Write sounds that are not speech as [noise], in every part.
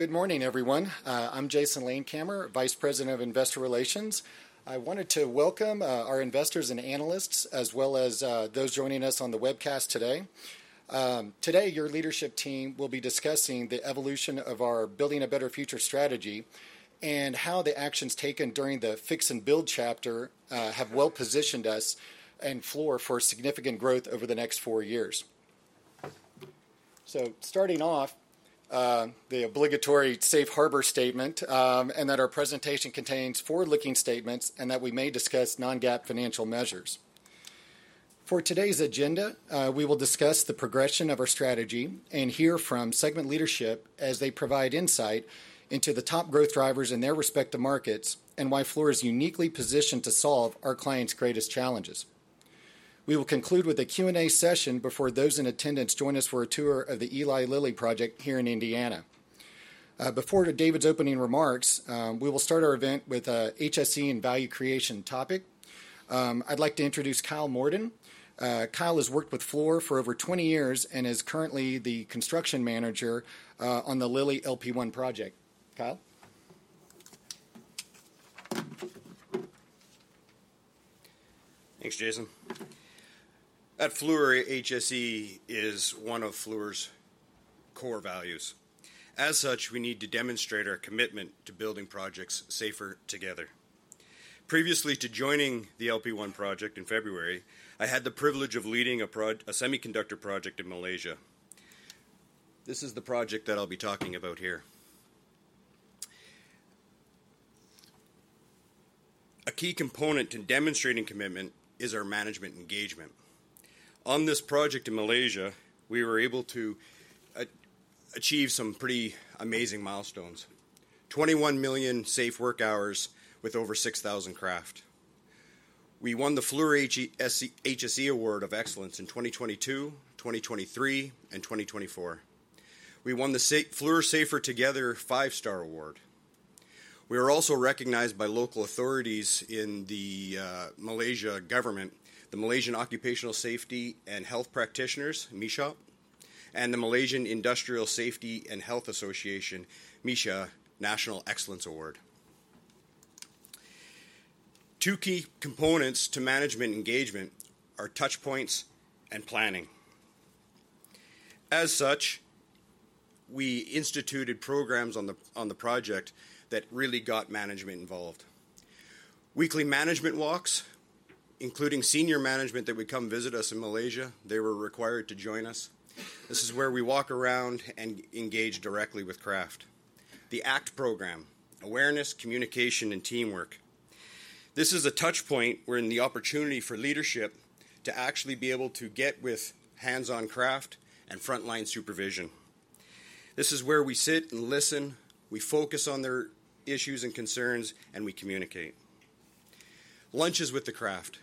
Good morning, everyone. I'm Jason Landkamer, Vice President of Investor Relations. I wanted to welcome our investors and analysts, as well as those joining us on the webcast today. Today, your leadership team will be discussing the evolution of our Building a Better Future strategy and how the actions taken during the Fix and Build chapter have well positioned us and Fluor for significant growth over the next 4 years. Starting off, the obligatory Safe Harbor statement and that our presentation contains forward-looking statements and that we may discuss non-GAAP financial measures. For today's agenda, we will discuss the progression of our strategy and hear from segment leadership as they provide insight into the top growth drivers and their respective markets and why Fluor is uniquely positioned to solve our clients' greatest challenges. We will conclude with a Q&A session before those in attendance join us for a tour of the Eli Lilly project here in Indiana. Before David's opening remarks, we will start our event with an HSE and value creation topic. I'd like to introduce Kyle Morden. Kyle has worked with Fluor for over 20 years and is currently the Construction Manager on the Lilly LP1 project. Kyle? Thanks, Jason. At Fluor, HSE is one of Fluor's core values. As such, we need to demonstrate our commitment to building projects safer together. Previously to joining the LP1 project in February, I had the privilege of leading a semiconductor project in Malaysia. This is the project that I'll be talking about here. A key component to demonstrating commitment is our management engagement. On this project in Malaysia, we were able to achieve some pretty amazing milestones: 21 million safe work hours with over 6,000 craft. We won the Fluor HSE Award of Excellence in 2022, 2023, and 2024. We won the Fluor Safer Together Five-Star Award. We were also recognized by local authorities in the Malaysian government, the Malaysian Occupational Safety and Health Practitioners, MOSHPA, and the Malaysian Industrial Safety and Health Association, MISHA, National Excellence Award. Two key components to management engagement are touch points and planning. As such, we instituted programs on the project that really got management involved. Weekly management walks, including senior management that would come visit us in Malaysia, they were required to join us. This is where we walk around and engage directly with craft. The ACT program, Awareness, Communication, and Teamwork. This is a touch point where the opportunity for leadership to actually be able to get with hands-on craft and frontline supervision. This is where we sit and listen, we focus on their issues and concerns, and we communicate, lunches with the craft.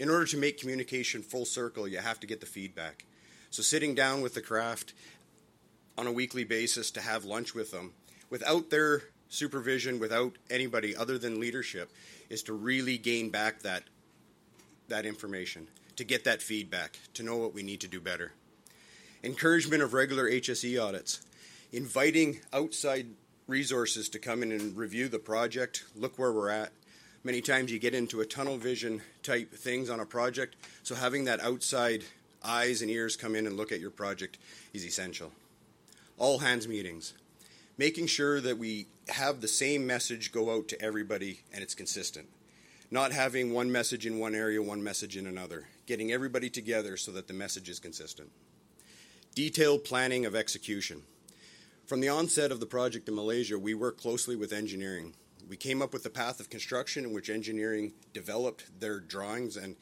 In order to make communication full circle, you have to get the feedback. Sitting down with the craft on a weekly basis to have lunch with them without their supervision, without anybody other than leadership, is to really gain back that information, to get that feedback, to know what we need to do better. Encouragement of regular HSE audits, inviting outside resources to come in and review the project, look where we're at. Many times you get into a tunnel vision type things on a project, so having that outside eyes and ears come in and look at your project is essential. All hands meetings, making sure that we have the same message go out to everybody and it's consistent. Not having one message in one area, one message in another, getting everybody together so that the message is consistent. Detailed planning of execution. From the onset of the project in Malaysia, we worked closely with engineering. We came up with the path of construction in which engineering developed their drawings and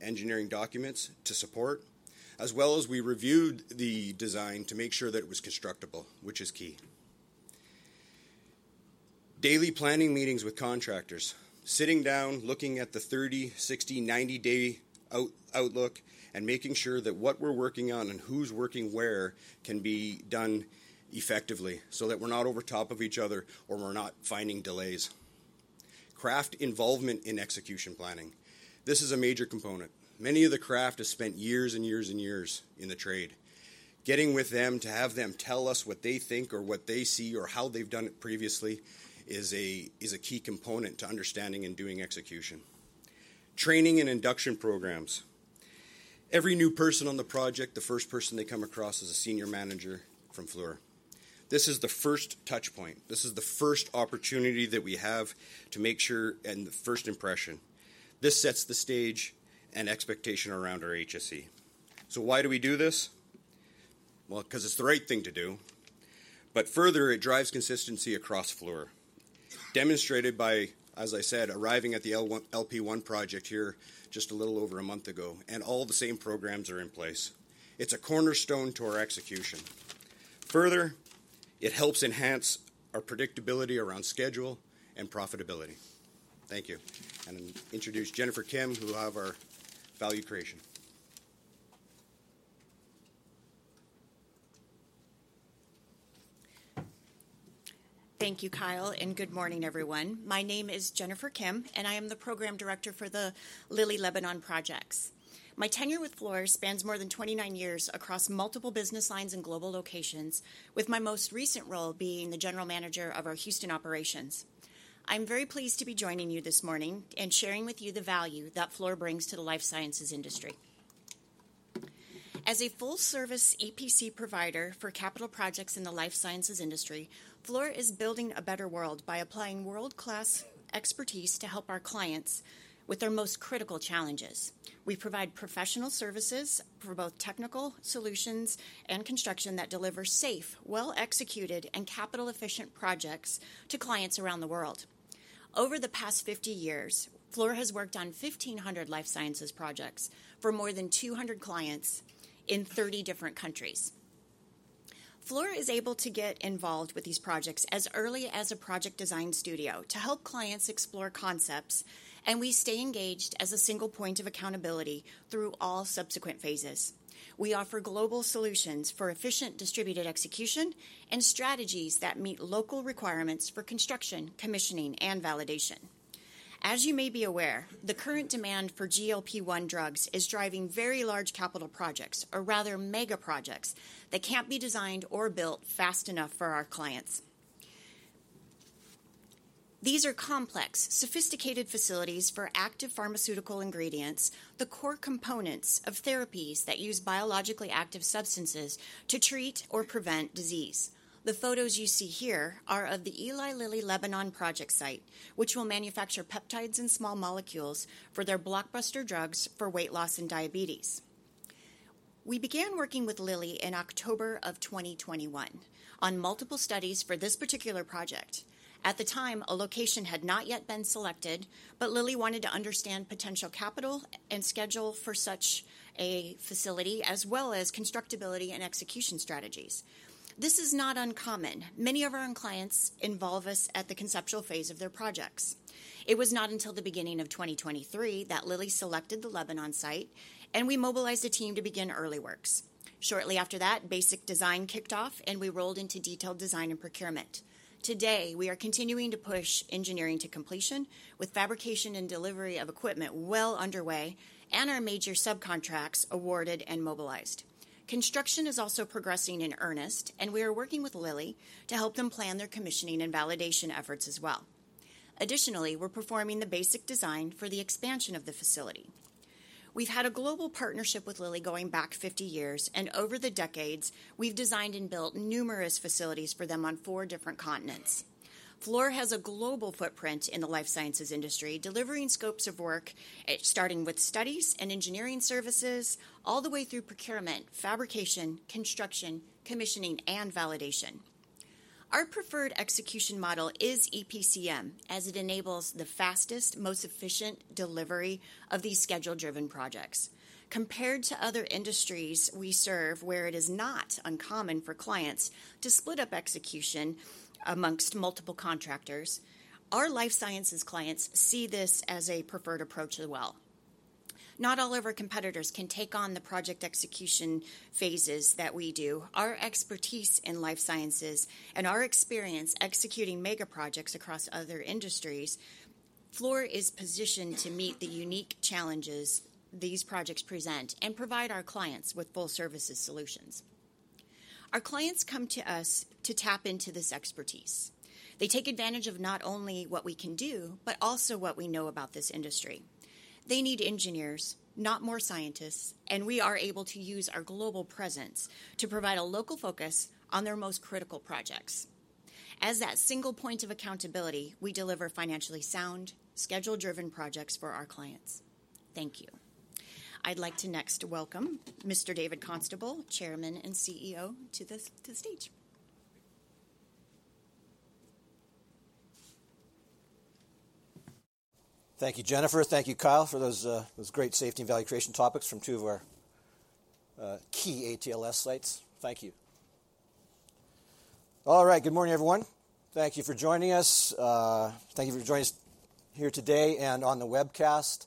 engineering documents to support, as well as we reviewed the design to make sure that it was constructable, which is key. Daily planning meetings with contractors, sitting down, looking at the 30, 60, 90-day outlook and making sure that what we're working on and who's working where can be done effectively so that we're not over top of each other or we're not finding delays. Craft involvement in execution planning. This is a major component. Many of the craft have spent years and years and years in the trade. Getting with them to have them tell us what they think or what they see or how they've done it previously is a key component to understanding and doing execution. Training and induction programs. Every new person on the project, the first person they come across is a senior manager from Fluor. This is the first touch point. This is the first opportunity that we have to make sure and the first impression. This sets the stage and expectation around our HSE. Why do we do this? Because it's the right thing to do. Further, it drives consistency across Fluor, demonstrated by, as I said, arriving at the LP1 project here just a little over a month ago, and all the same programs are in place. It's a cornerstone to our execution. Further, it helps enhance our predictability around schedule and profitability. Thank you. Introduce Jennifer Kim, who will have our value creation. Thank you, Kyle, and good morning, everyone. My name is Jennifer Kim, and I am the program director for the Lilly Lebanon Projects. My tenure with Fluor spans more than 29 years across multiple business lines and global locations, with my most recent role being the General Manager of our Houston operations. I'm very pleased to be joining you this morning and sharing with you the value that Fluor brings to the life sciences industry. As a full-service EPC provider for capital projects in the life sciences industry, Fluor is building a better world by applying world-class expertise to help our clients with their most critical challenges. We provide professional services for both technical solutions and construction that deliver safe, well-executed, and capital-efficient projects to clients around the world. Over the past 50 years, Fluor has worked on 1,500 life sciences projects for more than 200 clients in 30 different countries. Fluor is able to get involved with these projects as early as a project design studio to help clients explore concepts, and we stay engaged as a single point of accountability through all subsequent phases. We offer global solutions for efficient distributed execution and strategies that meet local requirements for construction, commissioning, and validation. As you may be aware, the current demand for GLP-1 drugs is driving very large capital projects, or rather mega projects, that can't be designed or built fast enough for our clients. These are complex, sophisticated facilities for active pharmaceutical ingredients, the core components of therapies that use biologically active substances to treat or prevent disease. The photos you see here are of the Eli Lilly Lebanon Project site, which will manufacture peptides and small molecules for their blockbuster drugs for weight loss and diabetes. We began working with Lilly in October of 2021 on multiple studies for this particular project. At the time, a location had not yet been selected, but Lilly wanted to understand potential capital and schedule for such a facility, as well as constructability and execution strategies. This is not uncommon. Many of our clients involve us at the conceptual phase of their projects. It was not until the beginning of 2023 that Lilly selected the Lebanon site, and we mobilized a team to begin early works. Shortly after that, basic design kicked off, and we rolled into detailed design and procurement. Today, we are continuing to push engineering to completion with fabrication and delivery of equipment well underway and our major subcontracts awarded and mobilized. Construction is also progressing in earnest, and we are working with Lilly to help them plan their commissioning and validation efforts as well. Additionally, we're performing the basic design for the expansion of the facility. We've had a global partnership with Lilly going back 50 years, and over the decades, we've designed and built numerous facilities for them on four different continents. Fluor has a global footprint in the life sciences industry, delivering scopes of work starting with studies and engineering services all the way through procurement, fabrication, construction, commissioning, and validation. Our preferred execution model is EPCM, as it enables the fastest, most efficient delivery of these schedule-driven projects. Compared to other industries we serve, where it is not uncommon for clients to split up execution amongst multiple contractors, our life sciences clients see this as a preferred approach as well. Not all of our competitors can take on the project execution phases that we do. Our expertise in life sciences and our experience executing mega projects across other industries, Fluor is positioned to meet the unique challenges these projects present and provide our clients with full-service solutions. Our clients come to us to tap into this expertise. They take advantage of not only what we can do, but also what we know about this industry. They need engineers, not more scientists, and we are able to use our global presence to provide a local focus on their most critical projects. As that single point of accountability, we deliver financially sound, schedule-driven projects for our clients. Thank you. I'd like to next welcome Mr. David Constable, Chairman and CEO, to the stage. Thank you, Jennifer. Thank you, Kyle, for those great safety and value creation topics from two of our key ATLS sites. Thank you. All right, good morning, everyone. Thank you for joining us. Thank you for joining us here today and on the webcast.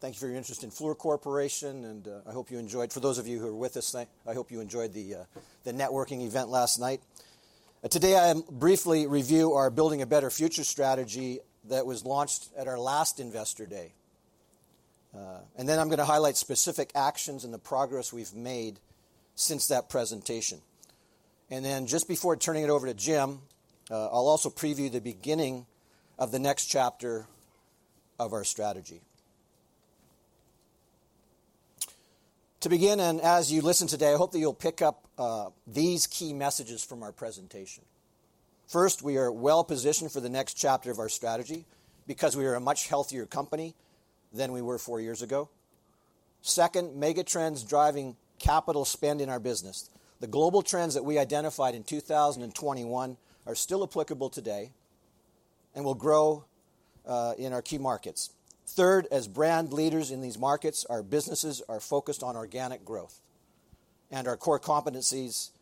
Thank you for your interest in Fluor Corporation, and I hope you enjoyed, for those of you who are with us, I hope you enjoyed the networking event last night. Today, I'll briefly review our Building a Better Future strategy that was launched at our last investor day. I am going to highlight specific actions and the progress we've made since that presentation. Just before turning it over to Jim, I'll also preview the beginning of the next chapter of our strategy. To begin, and as you listen today, I hope that you'll pick up these key messages from our presentation. First, we are well positioned for the next chapter of our strategy because we are a much healthier company than we were 4 years ago. Second, mega trends driving capital spend in our business. The global trends that we identified in 2021 are still applicable today and will grow in our key markets. Third, as brand leaders in these markets, our businesses are focused on organic growth, and our core competencies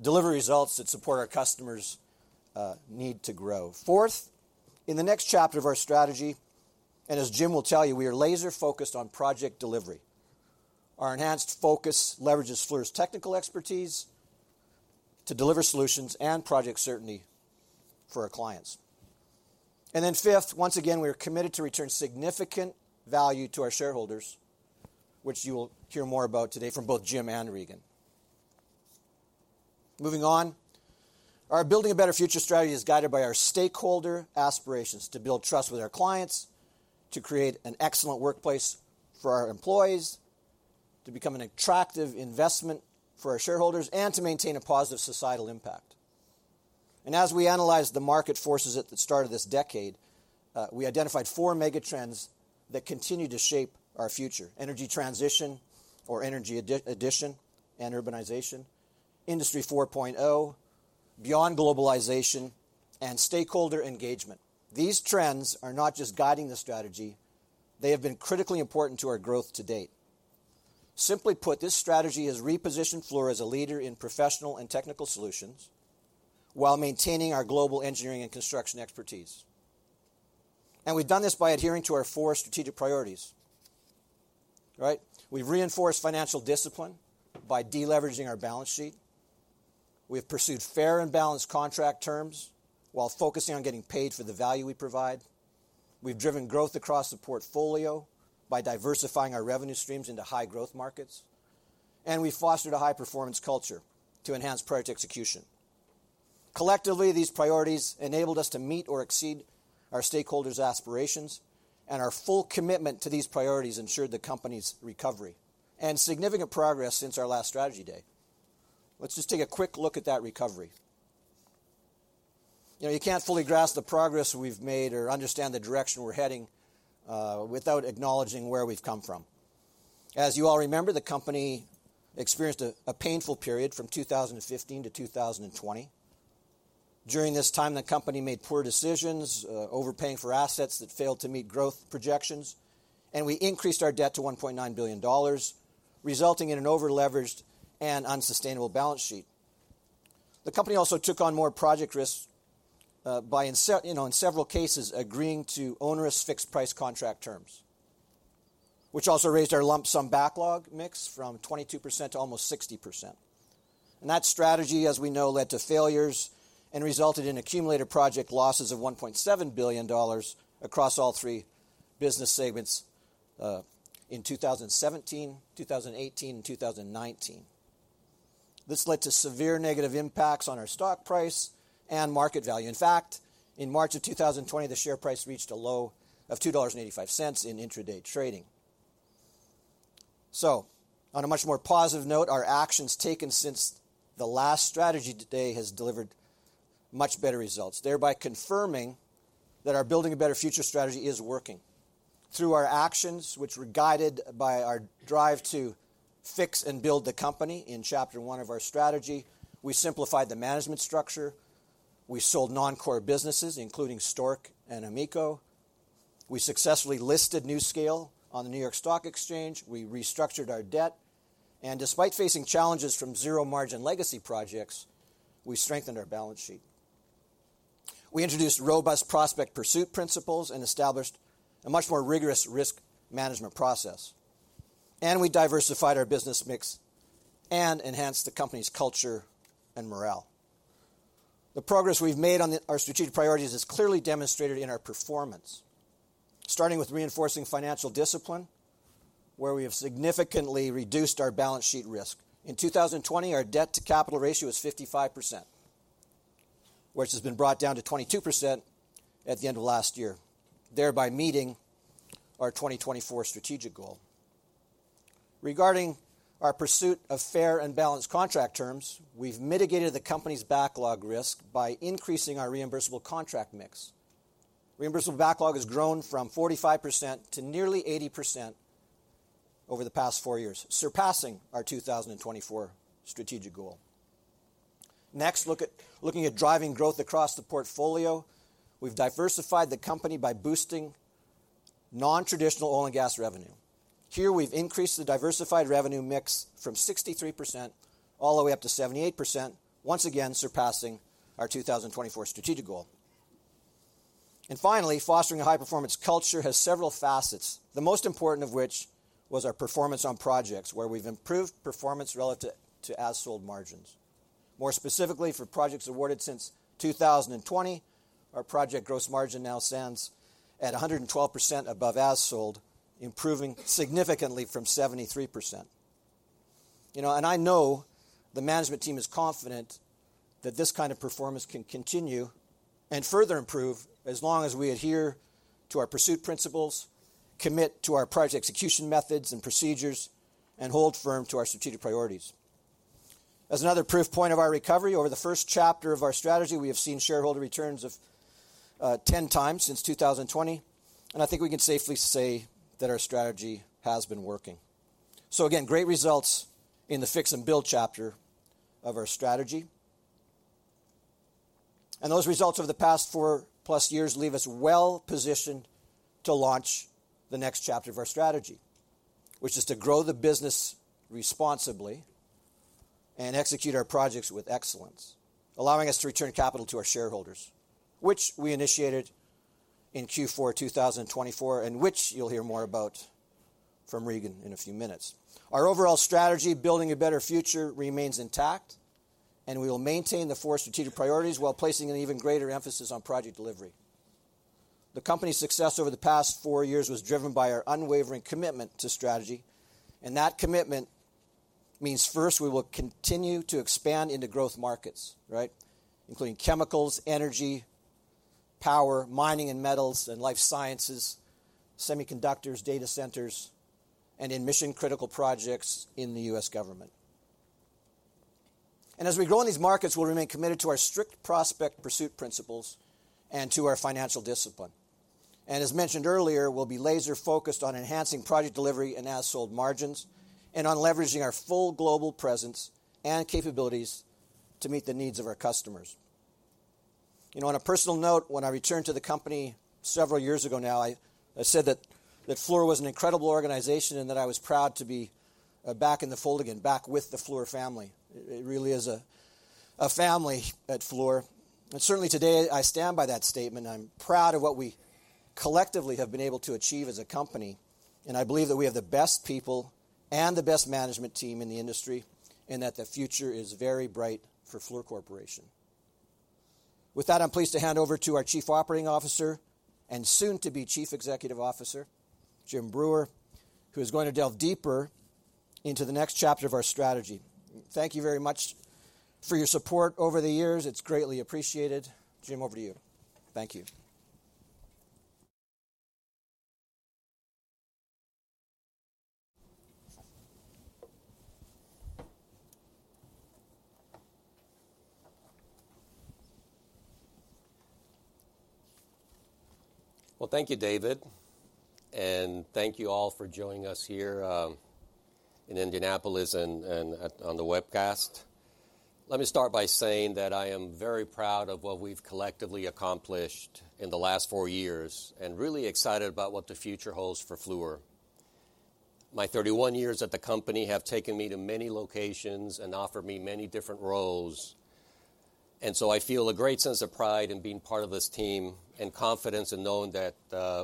deliver results that support our customers' need to grow. Fourth, in the next chapter of our strategy, and as Jim will tell you, we are laser-focused on project delivery. Our enhanced focus leverages Fluor's technical expertise to deliver solutions and project certainty for our clients. Fifth, once again, we are committed to return significant value to our shareholders, which you will hear more about today from both Jim and Regan. Moving on, our Building a Better Future strategy is guided by our stakeholder aspirations to build trust with our clients, to create an excellent workplace for our employees, to become an attractive investment for our shareholders, and to maintain a positive societal impact. As we analyze the market forces at the start of this decade, we identified four mega trends that continue to shape our future: Energy Transition, or Energy Addition and Urbanization, Industry 4.0, Beyond Globalization, and Stakeholder Engagement. These trends are not just guiding the strategy; they have been critically important to our growth to date. Simply put, this strategy has repositioned Fluor as a leader in professional and technical solutions while maintaining our global engineering and construction expertise. We have done this by adhering to our four strategic priorities. We have reinforced financial discipline by deleveraging our balance sheet. We've pursued fair and balanced contract terms while focusing on getting paid for the value we provide. We've driven growth across the portfolio by diversifying our revenue streams into high-growth markets. We've fostered a high-performance culture to enhance project execution. Collectively, these priorities enabled us to meet or exceed our stakeholders' aspirations, and our full commitment to these priorities ensured the company's recovery and significant progress since our last strategy day. Let's just take a quick look at that recovery. You can't fully grasp the progress we've made or understand the direction we're heading without acknowledging where we've come from. As you all remember, the company experienced a painful period from 2015-2020. During this time, the company made poor decisions, overpaying for assets that failed to meet growth projections, and we increased our debt to $1.9 billion, resulting in an over-leveraged and unsustainable balance sheet. The company also took on more project risks by, in several cases, agreeing to onerous fixed-price contract terms, which also raised our lump-sum backlog mix from 22% to almost 60%. That strategy, as we know, led to failures and resulted in accumulated project losses of $1.7 billion across all three business segments in 2017, 2018, and 2019. This led to severe negative impacts on our stock price and market value. In fact, in March of 2020, the share price reached a low of $2.85 in intraday trading. On a much more positive note, our actions taken since the last strategy day have delivered much better results, thereby confirming that our Building a Better Future strategy is working. Through our actions, which were guided by our drive to fix and build the company in chapter one of our strategy, we simplified the management structure. We sold non-core businesses, including Stork and AMECO. We successfully listed NuScale on the New York Stock Exchange. We restructured our debt. Despite facing challenges from zero-margin legacy projects, we strengthened our balance sheet. We introduced robust prospect pursuit principles and established a much more rigorous risk management process. We diversified our business mix and enhanced the company's culture and morale. The progress we have made on our strategic priorities is clearly demonstrated in our performance, starting with reinforcing financial discipline, where we have significantly reduced our balance sheet risk. In 2020, our debt-to-capital ratio was 55%, which has been brought down to 22% at the end of last year, thereby meeting our 2024 strategic goal. Regarding our pursuit of fair and balanced contract terms, we have mitigated the company's backlog risk by increasing our reimbursable contract mix. Reimbursable backlog has grown from 45% to nearly 80% over the past 4 years, surpassing our 2024 strategic goal. Next, looking at driving growth across the portfolio, we've diversified the company by boosting non-traditional oil and gas revenue. Here, we've increased the diversified revenue mix from 63% all the way up to 78%, once again surpassing our 2024 strategic goal. Finally, fostering a high-performance culture has several facets, the most important of which was our performance on projects, where we've improved performance relative to as-sold margins. More specifically, for projects awarded since 2020, our project gross margin now stands at 112% above as-sold, improving significantly from 73%. I know the management team is confident that this kind of performance can continue and further improve as long as we adhere to our pursuit principles, commit to our project execution methods and procedures, and hold firm to our strategic priorities. As another proof point of our recovery, over the first chapter of our strategy, we have seen shareholder returns of 10 times since 2020. I think we can safely say that our strategy has been working. Great results in the Fix and Build chapter of our strategy. Those results over the past 4+ years leave us well positioned to launch the next chapter of our strategy, which is to grow the business responsibly and execute our projects with excellence, allowing us to return capital to our shareholders, which we initiated in Q4 2024 and which you'll hear more about from Regan in a few minutes. Our overall strategy, Building a Better Future, remains intact, and we will maintain the four strategic priorities while placing an even greater emphasis on project delivery. The company's success over the past 4 years was driven by our unwavering commitment to strategy. That commitment means first we will continue to expand into growth markets, including chemicals, energy, power, mining and metals, and life sciences, semiconductors, data centers, and in mission-critical projects in the U.S. government. As we grow in these markets, we'll remain committed to our strict prospect pursuit principles and to our financial discipline. As mentioned earlier, we'll be laser-focused on enhancing project delivery and as-sold margins and on leveraging our full global presence and capabilities to meet the needs of our customers. On a personal note, when I returned to the company several years ago now, I said that Fluor was an incredible organization and that I was proud to be back in the fold again, back with the Fluor family. It really is a family at Fluor. Certainly today, I stand by that statement. I'm proud of what we collectively have been able to achieve as a company. I believe that we have the best people and the best management team in the industry and that the future is very bright for Fluor Corporation. With that, I'm pleased to hand over to our Chief Operating Officer and soon-to-be Chief Executive Officer, Jim Breuer, who is going to delve deeper into the next chapter of our strategy. Thank you very much for your support over the years. It's greatly appreciated. Jim, over to you. Thank you. Thank you, David. Thank you all for joining us here in Indianapolis and on the webcast. Let me start by saying that I am very proud of what we've collectively accomplished in the last four years and really excited about what the future holds for Fluor. My 31 years at the company have taken me to many locations and offered me many different roles. I feel a great sense of pride in being part of this team and confidence in knowing that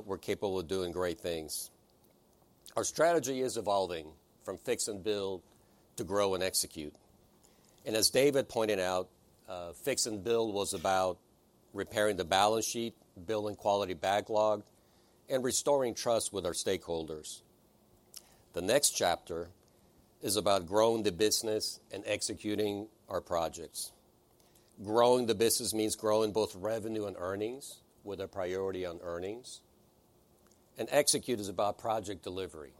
we're capable of doing great things. Our strategy is evolving from "Fix and Build" to "Grow and Execute." As David pointed out, "Fix and Build" was about repairing the balance sheet, building quality backlog, and restoring trust with our stakeholders. The next chapter is about growing the business and executing our projects. Growing the business means growing both revenue and earnings, with a priority on earnings. Execute is about project delivery.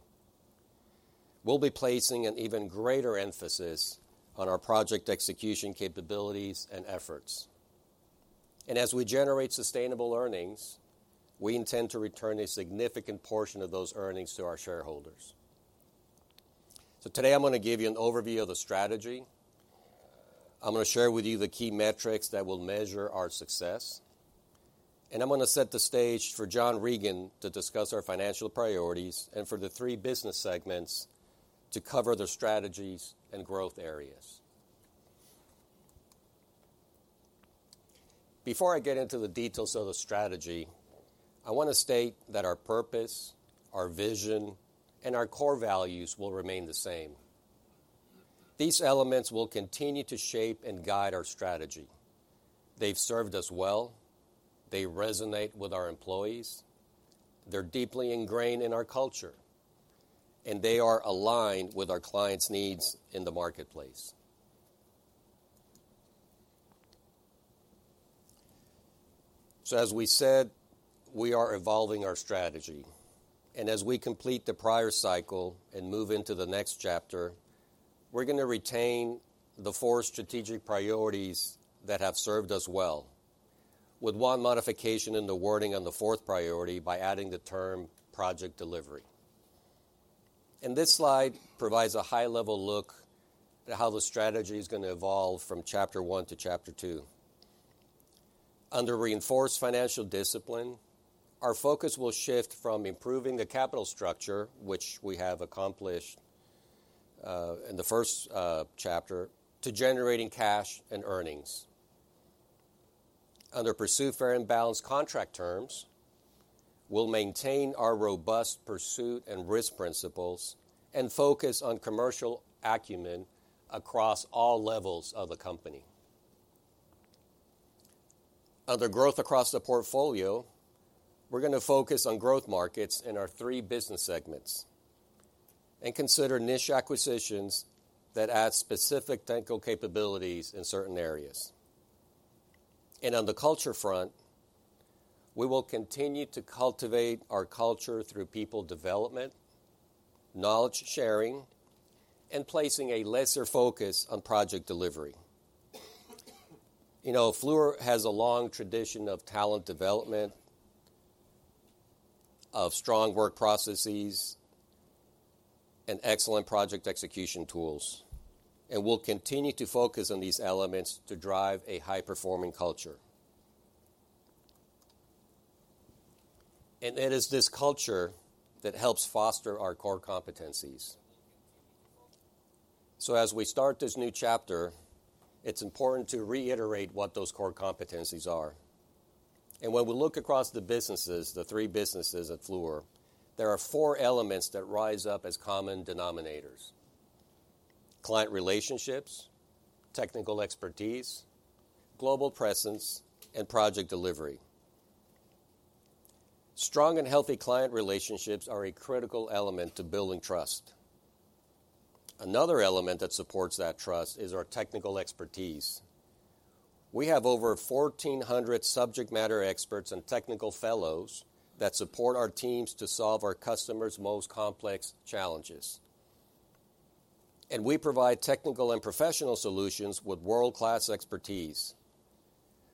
We'll be placing an even greater emphasis on our project execution capabilities and efforts. As we generate sustainable earnings, we intend to return a significant portion of those earnings to our shareholders. Today, I'm going to give you an overview of the strategy. I'm going to share with you the key metrics that will measure our success. I'm going to set the stage for John Regan to discuss our financial priorities and for the three business segments to cover their strategies and growth areas. Before I get into the details of the strategy, I want to state that our purpose, our vision, and our core values will remain the same. These elements will continue to shape and guide our strategy. They've served us well. They resonate with our employees. They're deeply ingrained in our culture. They are aligned with our clients' needs in the marketplace. As we said, we are evolving our strategy. As we complete the prior cycle and move into the next chapter, we're going to retain the four strategic priorities that have served us well, with one modification in the wording on the fourth priority by adding the term project delivery. This slide provides a high-level look at how the strategy is going to evolve from chapter one to chapter two. Under reinforced financial discipline, our focus will shift from improving the capital structure, which we have accomplished in the first chapter, to generating cash and earnings. Under pursued fair and balanced contract terms, we'll maintain our robust pursuit and risk principles and focus on commercial acumen across all levels of the company. Under growth across the portfolio, we're going to focus on growth markets in our three business segments and consider niche acquisitions that add specific technical capabilities in certain areas. On the culture front, we will continue to cultivate our culture through people development, knowledge sharing, and placing a lesser focus on project delivery. Fluor has a long tradition of talent development, of strong work processes, and excellent project execution tools. We will continue to focus on these elements to drive a high-performing culture. It is this culture that helps foster our core competencies. As we start this new chapter, it is important to reiterate what those core competencies are. When we look across the businesses, the three businesses at Fluor, there are four elements that rise up as common denominators: client relationships, technical expertise, global presence, and project delivery. Strong and healthy client relationships are a critical element to building trust. Another element that supports that trust is our technical expertise. We have over 1,400 subject matter experts and technical fellows that support our teams to solve our customers' most complex challenges. We provide technical and professional solutions with world-class expertise.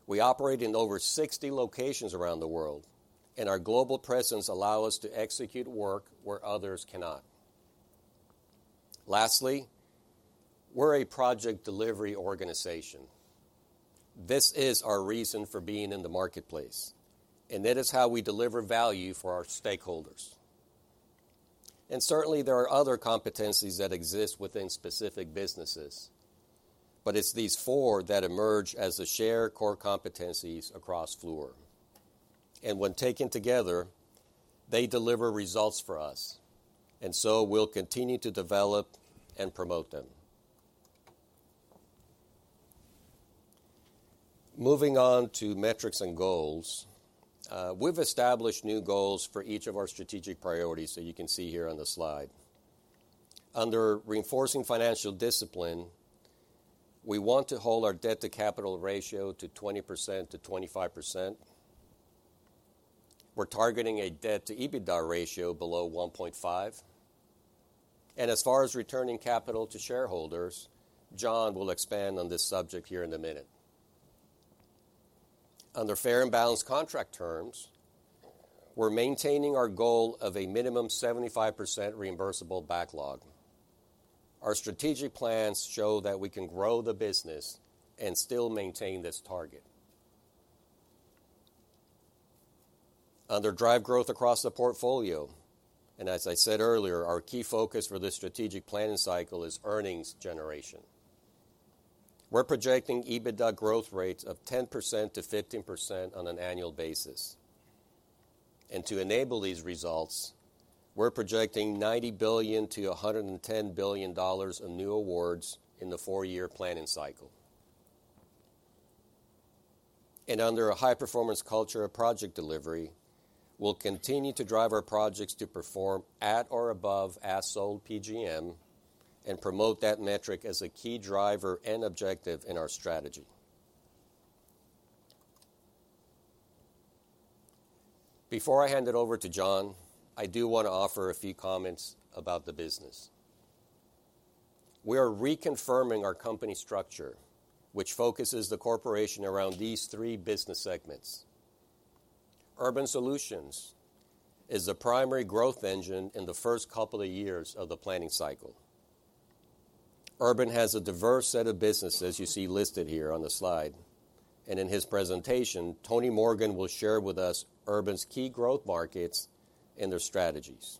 We operate in over 60 locations around the world, and our global presence allows us to execute work where others cannot. Lastly, we are a project delivery organization. This is our reason for being in the marketplace. It is how we deliver value for our stakeholders. Certainly, there are other competencies that exist within specific businesses. It is these four that emerge as the shared core competencies across Fluor. When taken together, they deliver results for us. We will continue to develop and promote them. Moving on to metrics and goals, we have established new goals for each of our strategic priorities, so you can see here on the slide. Under reinforcing financial discipline, we want to hold our debt-to-capital ratio to 20%-25%. We're targeting a debt-to-EBITDA ratio below 1.5. As far as returning capital to shareholders, John will expand on this subject here in a minute. Under fair and balanced contract terms, we're maintaining our goal of a minimum 75% reimbursable backlog. Our strategic plans show that we can grow the business and still maintain this target. Under drive growth across the portfolio, and as I said earlier, our key focus for this strategic planning cycle is earnings generation. We're projecting EBITDA growth rates of 10%-15% on an annual basis. To enable these results, we're projecting $90 billion-$110 billion in new awards in the four-year planning cycle. Under a high-performance culture of project delivery, we'll continue to drive our projects to perform at or above as-sold PGM and promote that metric as a key driver and objective in our strategy. Before I hand it over to John, I do want to offer a few comments about the business. We are reconfirming our company structure, which focuses the corporation around these three business segments. Urban Solutions is the primary growth engine in the first couple of years of the planning cycle. Urban has a diverse set of businesses you see listed here on the slide. In his presentation, Tony Morgan will share with us Urban's key growth markets and their strategies.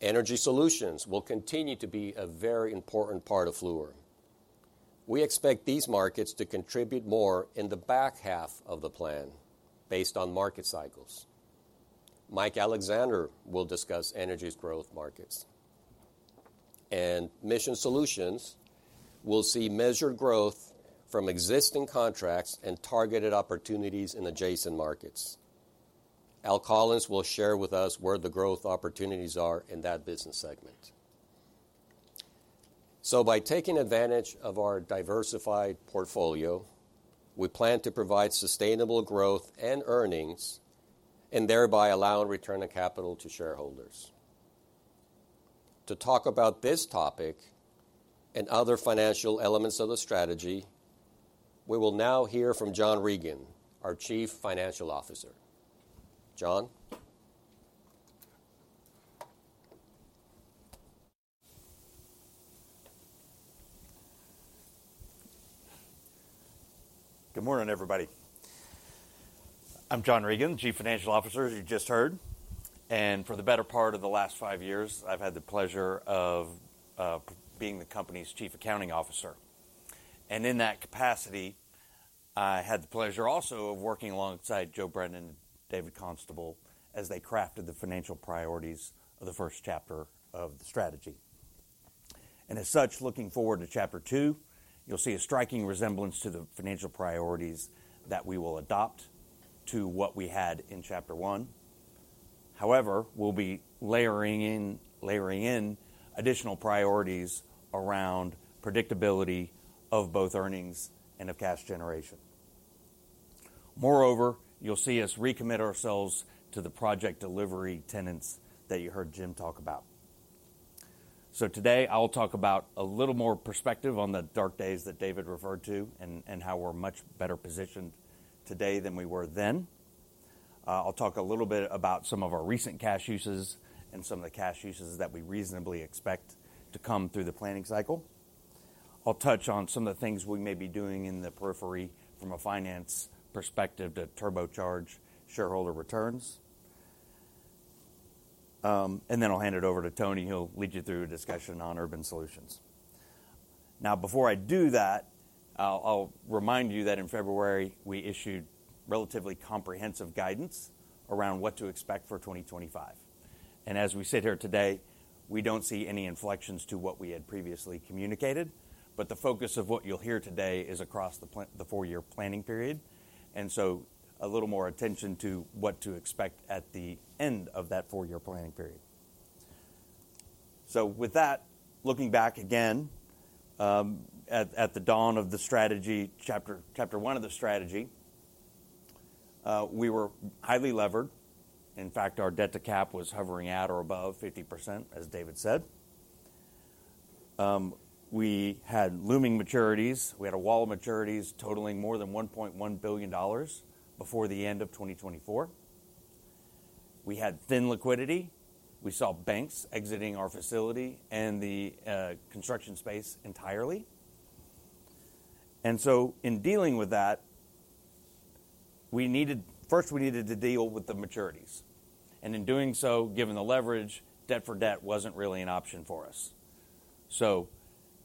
Energy Solutions will continue to be a very important part of Fluor. We expect these markets to contribute more in the back half of the plan based on market cycles. Mike Alexander will discuss energy's growth markets. Mission Solutions will see measured growth from existing contracts and targeted opportunities in adjacent markets. Al Collins will share with us where the growth opportunities are in that business segment. By taking advantage of our diversified portfolio, we plan to provide sustainable growth and earnings and thereby allowing return of capital to shareholders. To talk about this topic and other financial elements of the strategy, we will now hear from John Regan, our Chief Financial Officer. John? Good morning, everybody. I'm John Regan, Chief Financial Officer you just heard. For the better part of the last 5 years, I've had the pleasure of being the company's Chief Accounting Officer. In that capacity, I had the pleasure also of working alongside Joe Brennan and David Constable as they crafted the financial priorities of the first chapter of the strategy. As such, looking forward to chapter two, you'll see a striking resemblance to the financial priorities that we will adopt to what we had in chapter one. However, we'll be layering in additional priorities around predictability of both earnings and of cash generation. Moreover, you'll see us recommit ourselves to the project delivery tenets that you heard Jim talk about. Today, I'll talk about a little more perspective on the dark days that David referred to and how we're much better positioned today than we were then. I'll talk a little bit about some of our recent cash uses and some of the cash uses that we reasonably expect to come through the planning cycle. I'll touch on some of the things we may be doing in the periphery from a finance perspective to turbocharge shareholder returns. Then I'll hand it over to Tony. He'll lead you through a discussion on Urban Solutions. Now, before I do that, I'll remind you that in February, we issued relatively comprehensive guidance around what to expect for 2025. As we sit here today, we don't see any inflections to what we had previously communicated. The focus of what you'll hear today is across the four-year planning period. A little more attention to what to expect at the end of that four-year planning period. With that, looking back again at the dawn of the strategy, chapter one of the strategy, we were highly levered. In fact, our debt-to-cap was hovering at or above 50%, as David said. We had looming maturities. We had a wall of maturities totaling more than $1.1 billion before the end of 2024. We had thin liquidity. We saw banks exiting our facility and the construction space entirely. In dealing with that, first, we needed to deal with the maturities. In doing so, given the leverage, debt-for-debt was not really an option for us.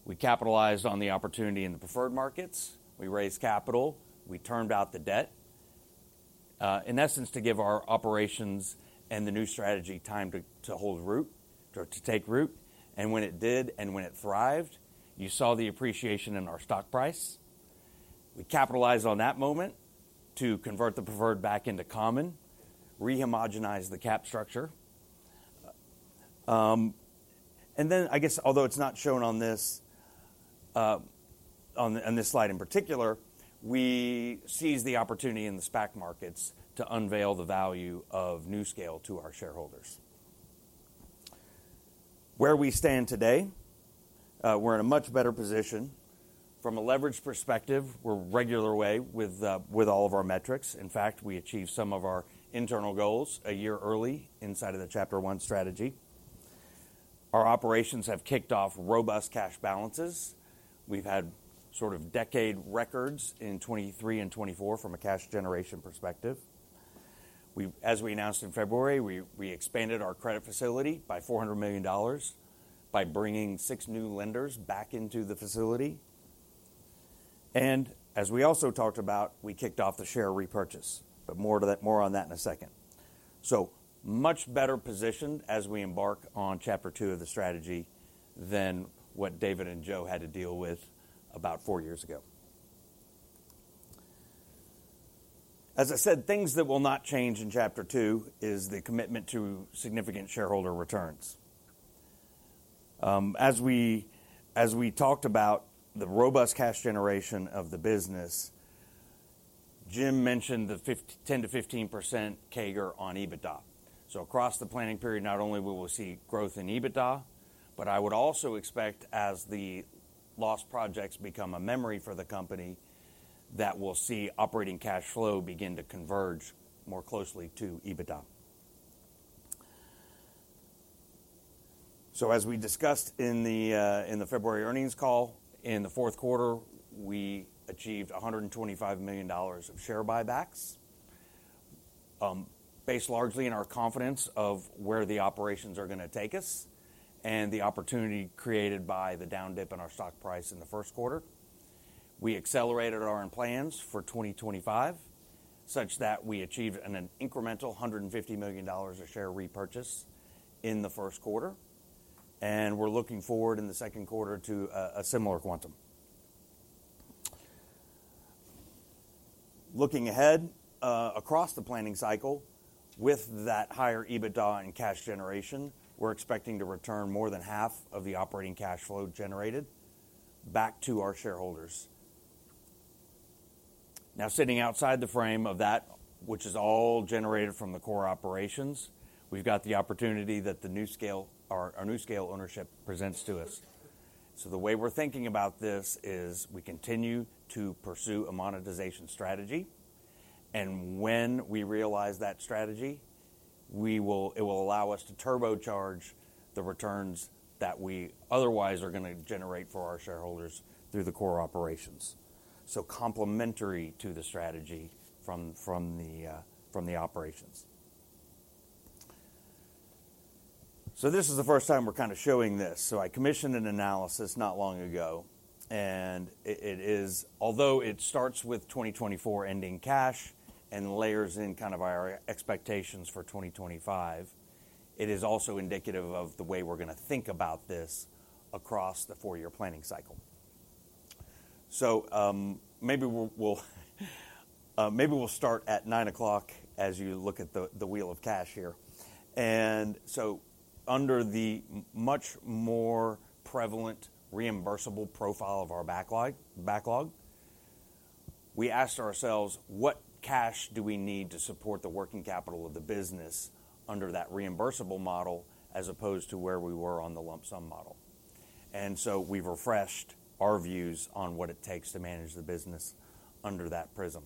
We capitalized on the opportunity in the preferred markets. We raised capital. We turned out the debt, in essence, to give our operations and the new strategy time to hold root, to take root. When it did and when it thrived, you saw the appreciation in our stock price. We capitalized on that moment to convert the preferred back into common, rehomogenize the cap structure. I guess, although it's not shown on this slide in particular, we seized the opportunity in the SPAC markets to unveil the value of NuScale to our shareholders. Where we stand today, we're in a much better position. From a leverage perspective, we're regular way with all of our metrics. In fact, we achieved some of our internal goals a year early inside of the chapter one strategy. Our operations have kicked off robust cash balances. We've had sort of decade records in 2023 and 2024 from a cash generation perspective. As we announced in February, we expanded our credit facility by $400 million by bringing six new lenders back into the facility. As we also talked about, we kicked off the share repurchase, but more on that in a second. Much better positioned as we embark on chapter two of the strategy than what David and Joe had to deal with about 4 years ago. As I said, things that will not change in chapter two is the commitment to significant shareholder returns. As we talked about the robust cash generation of the business, Jim mentioned the 10-15% CAGR on EBITDA. Across the planning period, not only will we see growth in EBITDA, but I would also expect, as the lost projects become a memory for the company, that we will see operating cash flow begin to converge more closely to EBITDA. As we discussed in the February earnings call, in the fourth quarter, we achieved $125 million of share buybacks, based largely on our confidence of where the operations are going to take us and the opportunity created by the down dip in our stock price in the first quarter. We accelerated our plans for 2025 such that we achieved an incremental $150 million of share repurchase in the first quarter. We are looking forward in the second quarter to a similar quantum. Looking ahead across the planning cycle, with that higher EBITDA and cash generation, we are expecting to return more than half of the operating cash flow generated back to our shareholders. Now, sitting outside the frame of that, which is all generated from the core operations, we have the opportunity that the NuScale, our NuScale ownership, presents to us. The way we're thinking about this is we continue to pursue a monetization strategy. When we realize that strategy, it will allow us to turbocharge the returns that we otherwise are going to generate for our shareholders through the core operations. It is complementary to the strategy from the operations. This is the first time we're kind of showing this. I commissioned an analysis not long ago. Although it starts with 2024 ending cash and layers in kind of our expectations for 2025, it is also indicative of the way we're going to think about this across the four-year planning cycle. Maybe we'll start at 9:00 as you look at the wheel of cash here. Under the much more prevalent reimbursable profile of our backlog, we asked ourselves, what cash do we need to support the working capital of the business under that reimbursable model as opposed to where we were on the lump sum model? We have refreshed our views on what it takes to manage the business under that prism.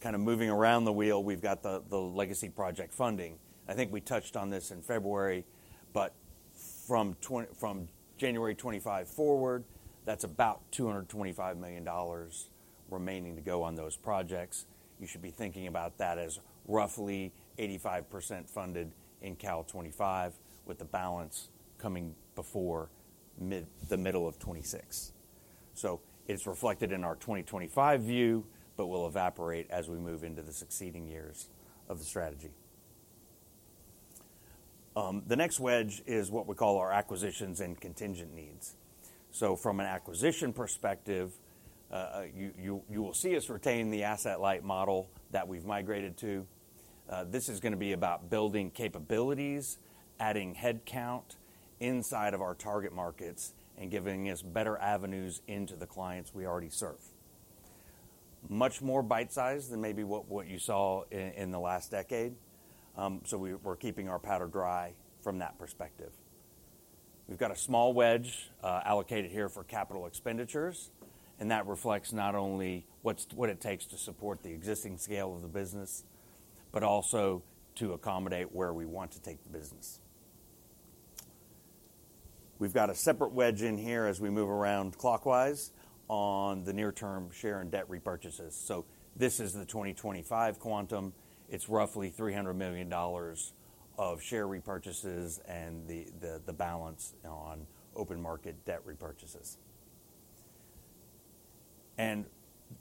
Kind of moving around the wheel, we have the legacy project funding. I think we touched on this in February. From January 2025 forward, that is about $225 million remaining to go on those projects. You should be thinking about that as roughly 85% funded in calendar 2025 with the balance coming before the middle of 2026. It is reflected in our 2025 view, but will evaporate as we move into the succeeding years of the strategy. The next wedge is what we call our acquisitions and contingent needs. From an acquisition perspective, you will see us retain the asset light model that we've migrated to. This is going to be about building capabilities, adding headcount inside of our target markets, and giving us better avenues into the clients we already serve. Much more bite-sized than maybe what you saw in the last decade. We're keeping our powder dry from that perspective. We've got a small wedge allocated here for capital expenditures. That reflects not only what it takes to support the existing scale of the business, but also to accommodate where we want to take the business. We've got a separate wedge in here as we move around clockwise on the near-term share and debt repurchases. This is the 2025 quantum. It's roughly $300 million of share repurchases and the balance on open market debt repurchases.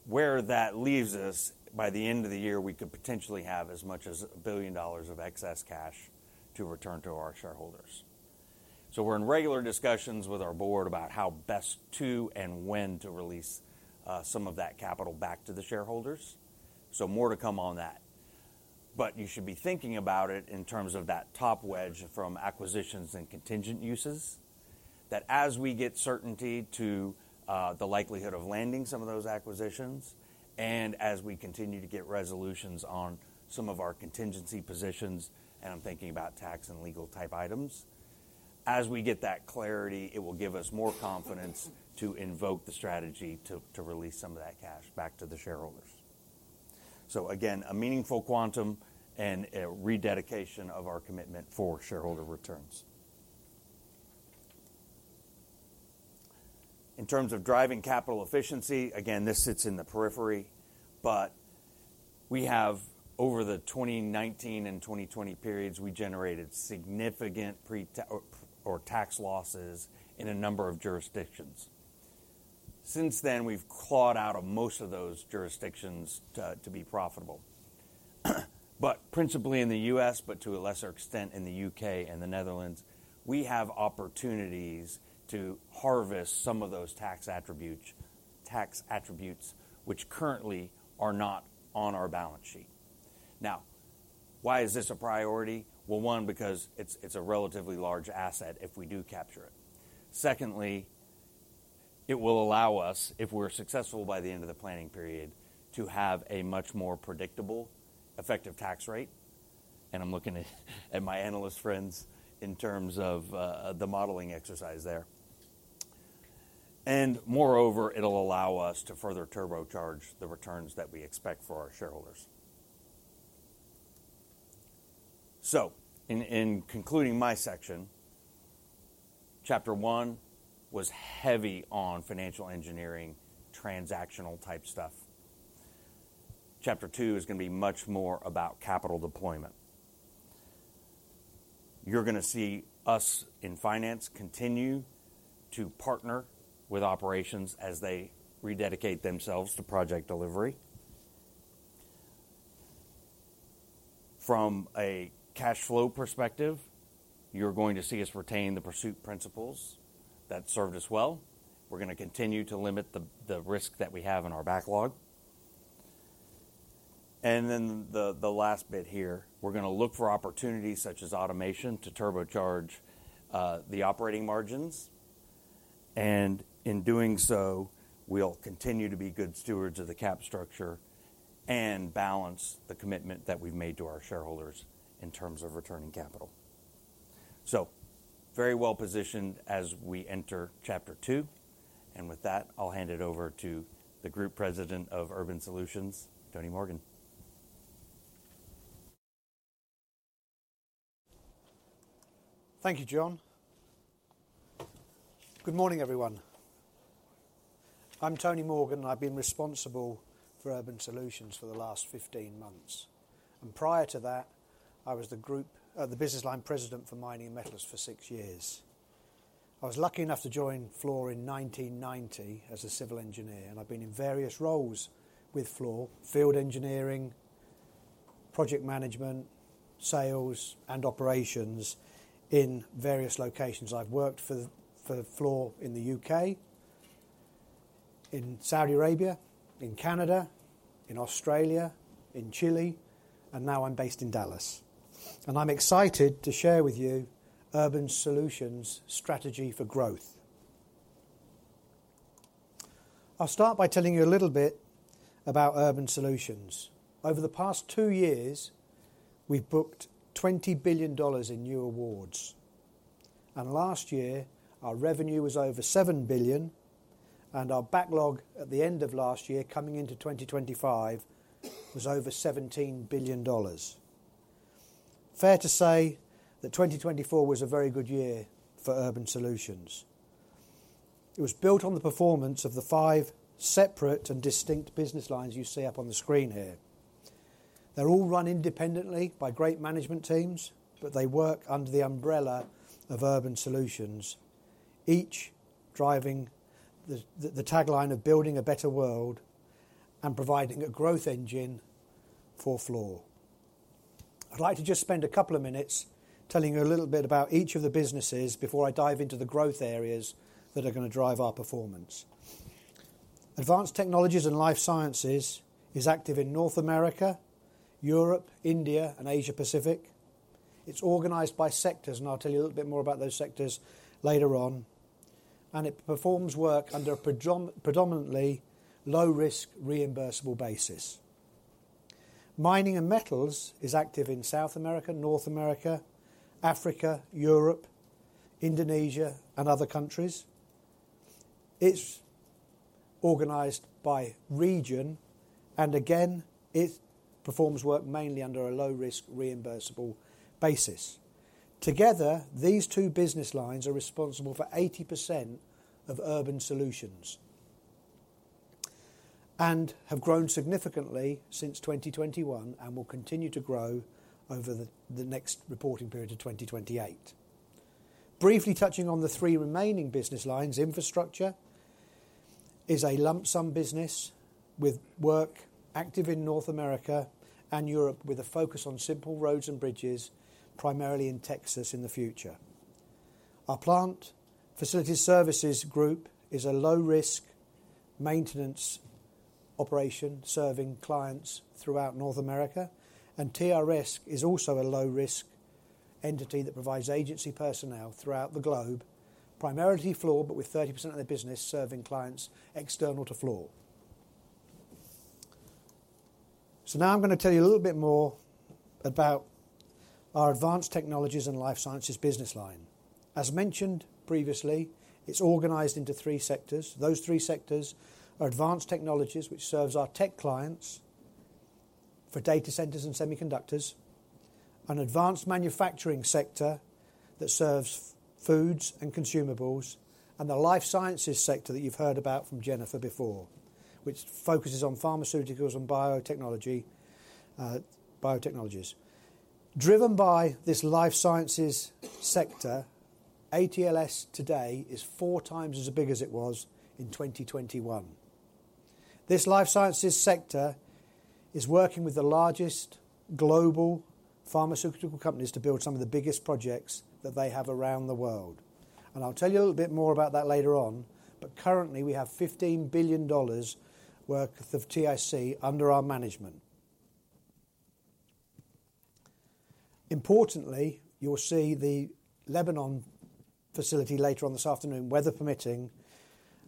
Where that leaves us by the end of the year, we could potentially have as much as $1 billion of excess cash to return to our shareholders. We are in regular discussions with our board about how best to and when to release some of that capital back to the shareholders. More to come on that. You should be thinking about it in terms of that top wedge from acquisitions and contingent uses, that as we get certainty to the likelihood of landing some of those acquisitions, and as we continue to get resolutions on some of our contingency positions, and I am thinking about tax and legal type items, as we get that clarity, it will give us more confidence to invoke the strategy to release some of that cash back to the shareholders. Again, a meaningful quantum and a rededication of our commitment for shareholder returns. In terms of driving capital efficiency, this sits in the periphery. We have, over the 2019 and 2020 periods, generated significant tax losses in a number of jurisdictions. Since then, we've clawed out most of those jurisdictions to be profitable. Principally in the U.S., but to a lesser extent in the U.K. and the Netherlands, we have opportunities to harvest some of those tax attributes, which currently are not on our balance sheet. Now, why is this a priority? One, because it's a relatively large asset if we do capture it. Secondly, it will allow us, if we're successful by the end of the planning period, to have a much more predictable, effective tax rate. I'm looking at my analyst friends in terms of the modeling exercise there. Moreover, it'll allow us to further turbocharge the returns that we expect for our shareholders. In concluding my section, chapter one was heavy on financial engineering, transactional type stuff. Chapter two is going to be much more about capital deployment. You're going to see us in finance continue to partner with operations as they rededicate themselves to project delivery. From a cash flow perspective, you're going to see us retain the pursuit principles that served us well. We're going to continue to limit the risk that we have in our backlog. The last bit here, we're going to look for opportunities such as automation to turbocharge the operating margins. In doing so, we'll continue to be good stewards of the cap structure and balance the commitment that we've made to our shareholders in terms of returning capital. Very well positioned as we enter chapter two. With that, I'll hand it over to the Group President of Urban Solutions, Tony Morgan. Thank you, John. Good morning, everyone. I'm Tony Morgan. I've been responsible for Urban Solutions for the last 15 months. Prior to that, I was the business line President for Mining and Metals for 6 years. I was lucky enough to join Fluor in 1990 as a civil engineer. I've been in various roles with Fluor, field engineering, project management, sales, and operations in various locations. I've worked for Fluor in the U.K., in Saudi Arabia, in Canada, in Australia, in Chile, and now I'm based in Dallas. I'm excited to share with you Urban Solutions' strategy for growth. I'll start by telling you a little bit about Urban Solutions. Over the past 2 years, we've booked $20 billion in new awards. Last year, our revenue was over $7 billion. Our backlog at the end of last year, coming into 2025, was over $17 billion. It is fair to say that 2024 was a very good year for Urban Solutions. It was built on the performance of the five separate and distinct business lines you see up on the screen here. They are all run independently by great management teams, but they work under the umbrella of Urban Solutions, each driving the tagline of building a better world and providing a growth engine for Fluor. I'd like to just spend a couple of minutes telling you a little bit about each of the businesses before I dive into the growth areas that are going to drive our performance. Advanced Technologies and Life Sciences is active in North America, Europe, India, and Asia-Pacific. It's organized by sectors, and I'll tell you a little bit more about those sectors later on. It performs work under a predominantly low-risk reimbursable basis. Mining and Metals is active in South America, North America, Africa, Europe, Indonesia, and other countries. It's organized by region. It performs work mainly under a low-risk reimbursable basis. Together, these two business lines are responsible for 80% of Urban Solutions and have grown significantly since 2021 and will continue to grow over the next reporting period of 2028. Briefly touching on the three remaining business lines, infrastructure is a lump sum business with work active in North America and Europe with a focus on simple roads and bridges, primarily in Texas in the future. Our plant facilities services group is a low-risk maintenance operation serving clients throughout North America. TRS is also a low-risk entity that provides agency personnel throughout the globe, primarily Fluor, but with 30% of the business serving clients external to Fluor. Now I'm going to tell you a little bit more about our Advanced Technologies and Life Sciences business line. As mentioned previously, it's organized into three sectors. Those three sectors are advanced technologies, which serves our tech clients for data centers and semiconductors, an advanced manufacturing sector that serves foods and consumables, and the life sciences sector that you've heard about from Jennifer before, which focuses on pharmaceuticals and biotechnologies. Driven by this life sciences sector, ATLS today is 4x as big as it was in 2021. This life sciences sector is working with the largest global pharmaceutical companies to build some of the biggest projects that they have around the world. I'll tell you a little bit more about that later on. Currently, we have $15 billion worth of TIC under our management. Importantly, you'll see the Lebanon facility later on this afternoon, weather permitting.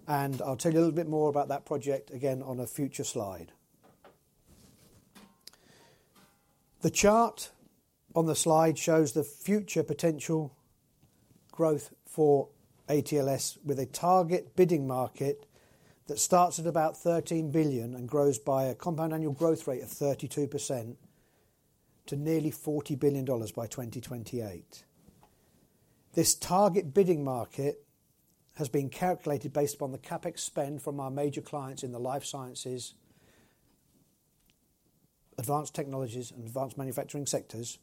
I'll tell you a little bit more about that project again on a future slide. The chart on the slide shows the future potential growth for ATLS with a target bidding market that starts at about $13 billion and grows by a compound annual growth rate of 32% to nearly $40 billion by 2028. This target bidding market has been calculated based upon the CapEx spend from our major clients in the life sciences, advanced technologies, and advanced manufacturing sectors,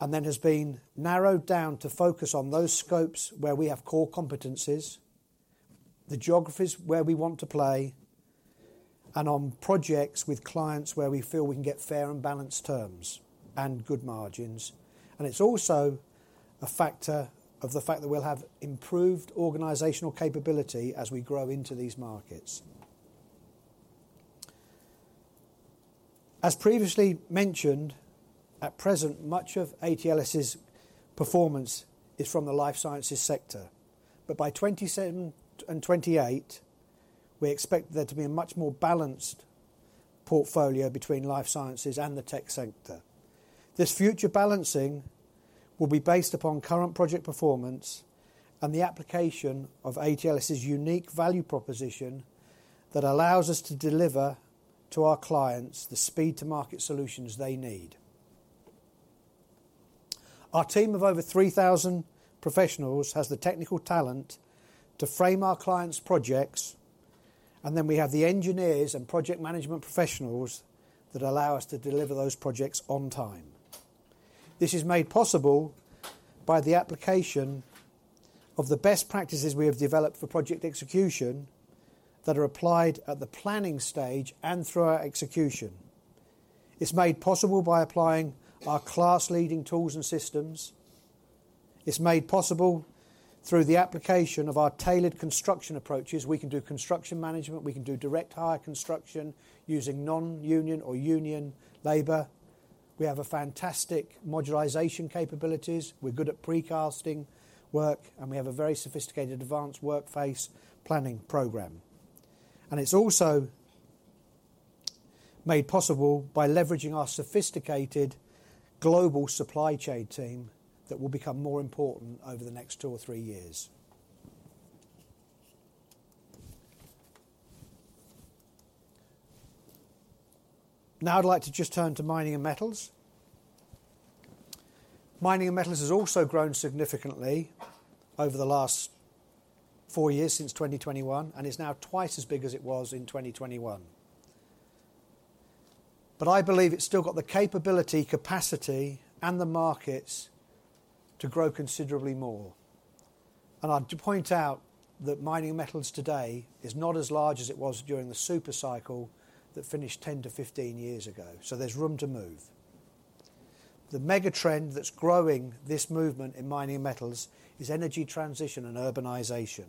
and then has been narrowed down to focus on those scopes where we have core competencies, the geographies where we want to play, and on projects with clients where we feel we can get fair and balanced terms and good margins. It is also a factor of the fact that we'll have improved organizational capability as we grow into these markets. As previously mentioned, at present, much of ATLS's performance is from the life sciences sector. By 2027 and 2028, we expect there to be a much more balanced portfolio between life sciences and the tech sector. This future balancing will be based upon current project performance and the application of ATLS's unique value proposition that allows us to deliver to our clients the speed-to-market solutions they need. Our team of over 3,000 professionals has the technical talent to frame our clients' projects. We have the engineers and project management professionals that allow us to deliver those projects on time. This is made possible by the application of the best practices we have developed for project execution that are applied at the planning stage and through our execution. It is made possible by applying our class-leading tools and systems. It is made possible through the application of our tailored construction approaches. We can do construction management. We can do direct-hire construction using non-union or union labor. We have fantastic modularization capabilities. We are good at precasting work. We have a very sophisticated advanced workplace planning program. It is also made possible by leveraging our sophisticated global supply chain team that will become more important over the next 2 or thr3 ee years. I would like to just turn to Mining and Metals. Mining and Metals has also grown significantly over the last 4 years since 2021, and it is now twice as big as it was in 2021. I believe it still has the capability, capacity, and the markets to grow considerably more. I would point out that Mining and Metals today is not as large as it was during the supercycle that finished 10-15 years ago. There is room to move. The megatrend that is growing this movement in Mining and Metals is energy transition and urbanization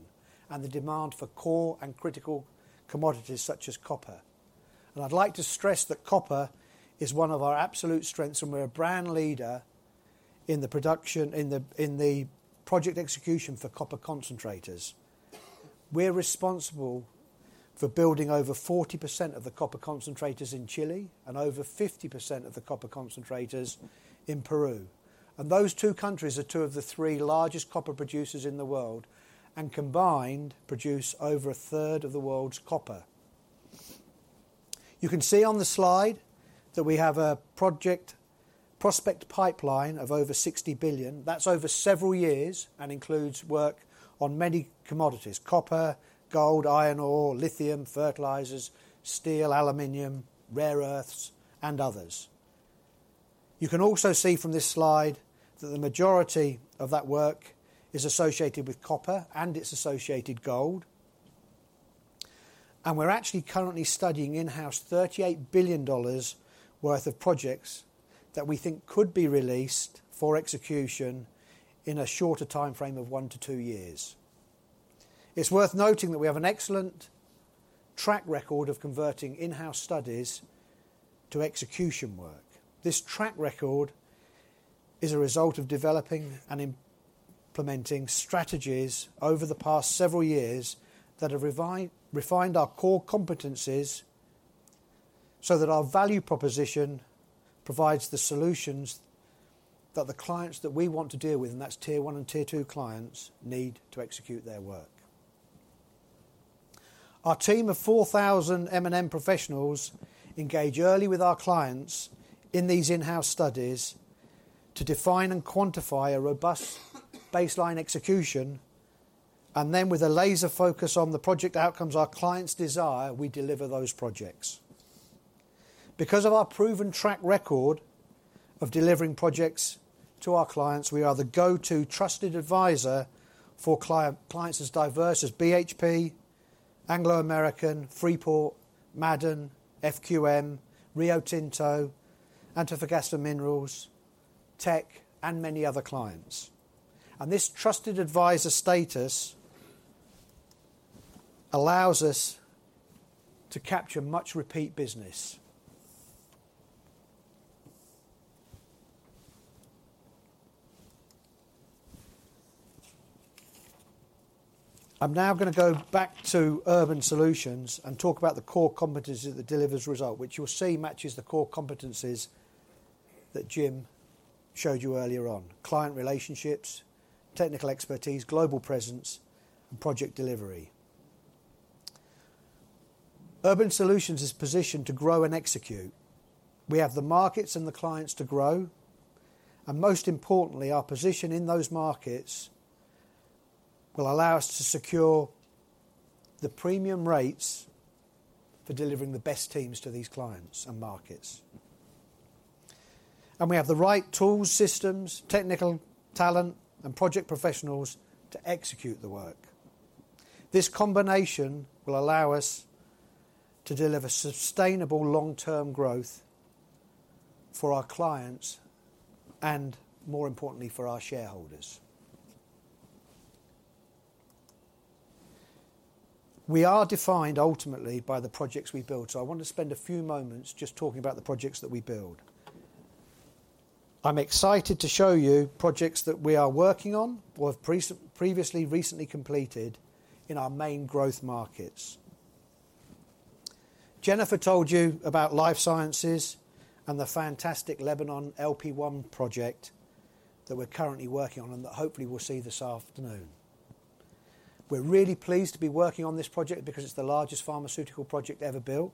and the demand for core and critical commodities such as copper. I'd like to stress that copper is one of our absolute strengths, and we're a brand leader in the production, in the project execution for copper concentrators. We're responsible for building over 40% of the copper concentrators in Chile and over 50% of the copper concentrators in Peru. Those two countries are two of the three largest copper producers in the world and combined produce over a third of the world's copper. You can see on the slide that we have a project prospect pipeline of over $60 billion. That's over several years and includes work on many commodities: copper, gold, iron ore, lithium, fertilizers, steel, aluminum, rare earths, and others. You can also see from this slide that the majority of that work is associated with copper and its associated gold. We're actually currently studying in-house $38 billion worth of projects that we think could be released for execution in a shorter timeframe of 1-2 years. It's worth noting that we have an excellent track record of converting in-house studies to execution work. This track record is a result of developing and implementing strategies over the past several years that have refined our core competencies so that our value proposition provides the solutions that the clients that we want to deal with, and that's tier one and tier two clients, need to execute their work. Our team of 4,000 M&M professionals engage early with our clients in these in-house studies to define and quantify a robust baseline execution. With a laser focus on the project outcomes our clients desire, we deliver those projects. Because of our proven track record of delivering projects to our clients, we are the go-to trusted advisor for clients as diverse as BHP, Anglo American, Freeport, Ma'aden, FQM, Rio Tinto, Antofagasta Minerals, TEC, and many other clients. This trusted advisor status allows us to capture much repeat business. I'm now going to go back to Urban Solutions and talk about the core competencies that it delivers result, which you'll see matches the core competencies that Jim showed you earlier on: Client Relationships, Technical Expertise, Global Presence, and Project Delivery. Urban Solutions is positioned to grow and execute. We have the markets and the clients to grow. Most importantly, our position in those markets will allow us to secure the premium rates for delivering the best teams to these clients and markets. We have the right tools, systems, technical talent, and project professionals to execute the work. This combination will allow us to deliver sustainable long-term growth for our clients and, more importantly, for our shareholders. We are defined ultimately by the projects we build. I want to spend a few moments just talking about the projects that we build. I'm excited to show you projects that we are working on or have previously recently completed in our main growth markets. Jennifer told you about life sciences and the fantastic Lebanon LP1 project that we're currently working on and that hopefully we'll see this afternoon. We're really pleased to be working on this project because it's the largest pharmaceutical project ever built.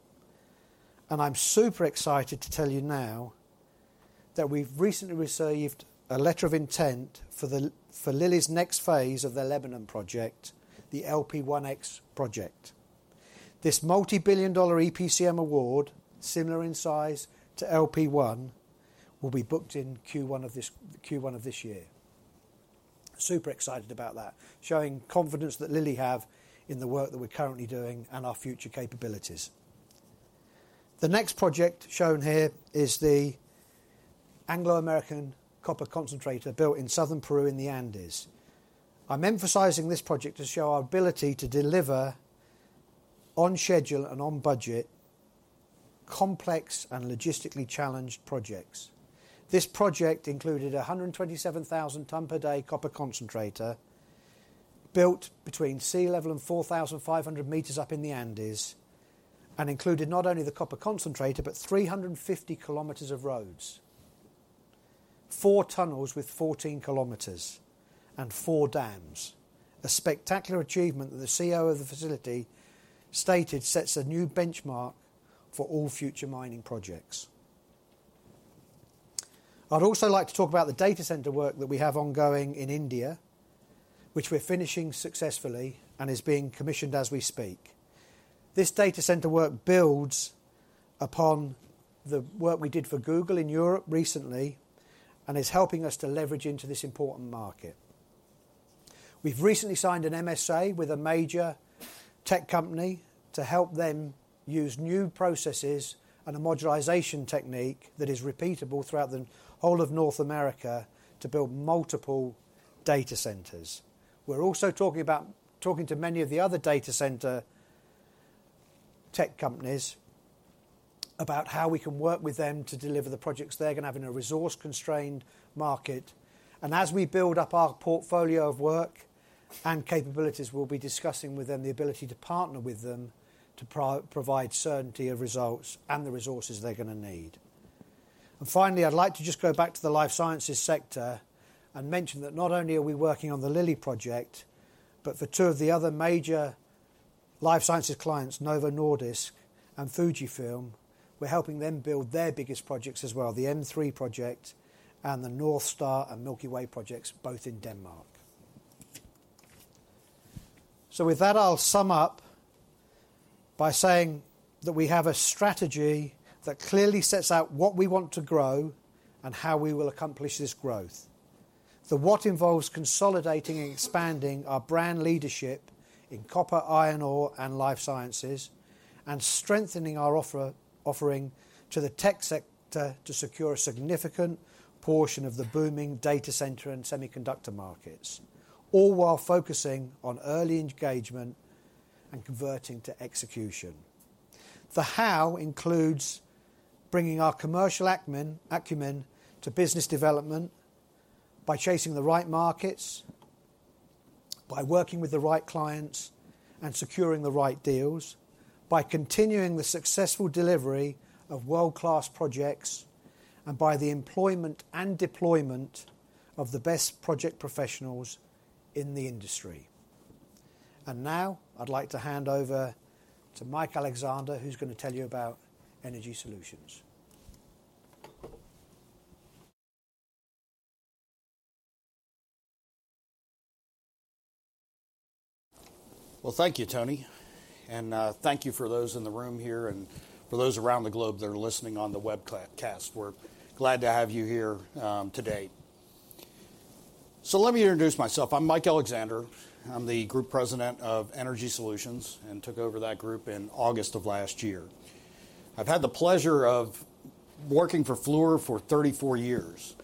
I'm super excited to tell you now that we've recently received a letter of intent for Lilly's next phase of the Lebanon project, the LP1X project. This multi-billion dollar EPCM award, similar in size to LP1, will be booked in Q1 of this year. Super excited about that, showing confidence that Lilly has in the work that we're currently doing and our future capabilities. The next project shown here is the Anglo American copper concentrator built in southern Peru in the Andes. I'm emphasizing this project to show our ability to deliver on schedule and on budget complex and logistically challenged projects. This project included a 127,000-ton-per-day copper concentrator built between sea level and 4,500 m up in the Andes and included not only the copper concentrator but 350 km of roads, four tunnels with 14 km, and four dams, a spectacular achievement that the COO of the facility stated sets a new benchmark for all future mining projects. I'd also like to talk about the data center work that we have ongoing in India, which we're finishing successfully and is being commissioned as we speak. This data center work builds upon the work we did for Google in Europe recently and is helping us to leverage into this important market. We've recently signed an MSA with a major tech company to help them use new processes and a modularization technique that is repeatable throughout the whole of North America to build multiple data centers. We're also talking to many of the other data center tech companies about how we can work with them to deliver the projects they're going to have in a resource-constrained market. As we build up our portfolio of work and capabilities, we'll be discussing with them the ability to partner with them to provide certainty of results and the resources they're going to need. Finally, I'd like to just go back to the life sciences sector and mention that not only are we working on the Lilly project, but for two of the other major life sciences clients, Novo Nordisk and Fujifilm, we're helping them build their biggest projects as well, the M3 Project and the North Star and Milky Way Projects, both in Denmark. With that, I'll sum up by saying that we have a strategy that clearly sets out what we want to grow and how we will accomplish this growth. The what involves consolidating and expanding our brand leadership in copper, iron ore, and life sciences and strengthening our offering to the tech sector to secure a significant portion of the booming data center and semiconductor markets, all while focusing on early engagement and converting to execution. The how includes bringing our commercial acumen to business development by chasing the right markets, by working with the right clients, and securing the right deals, by continuing the successful delivery of world-class projects, and by the employment and deployment of the best project professionals in the industry. Now I'd like to hand over to Mike Alexander, who's going to tell you about Energy Solutions. Thank you, Tony. Thank you for those in the room here and for those around the globe that are listening on the webcast. We're glad to have you here today. Let me introduce myself. I'm Mike Alexander. I'm the Group President of Energy Solutions and took over that group in August of last year. I've had the pleasure of working for Fluor for 34 years.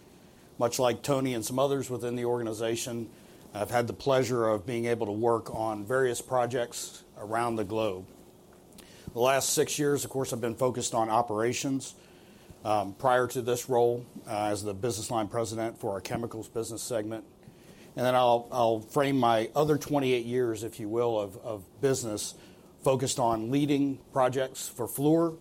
Much like Tony and some others within the organization, I've had the pleasure of being able to work on various projects around the globe. The last 6 years, of course, I've been focused on operations prior to this role as the Business Line President for our Chemicals Business segment. I'll frame my other 28 years, if you will, of business focused on leading projects for Fluor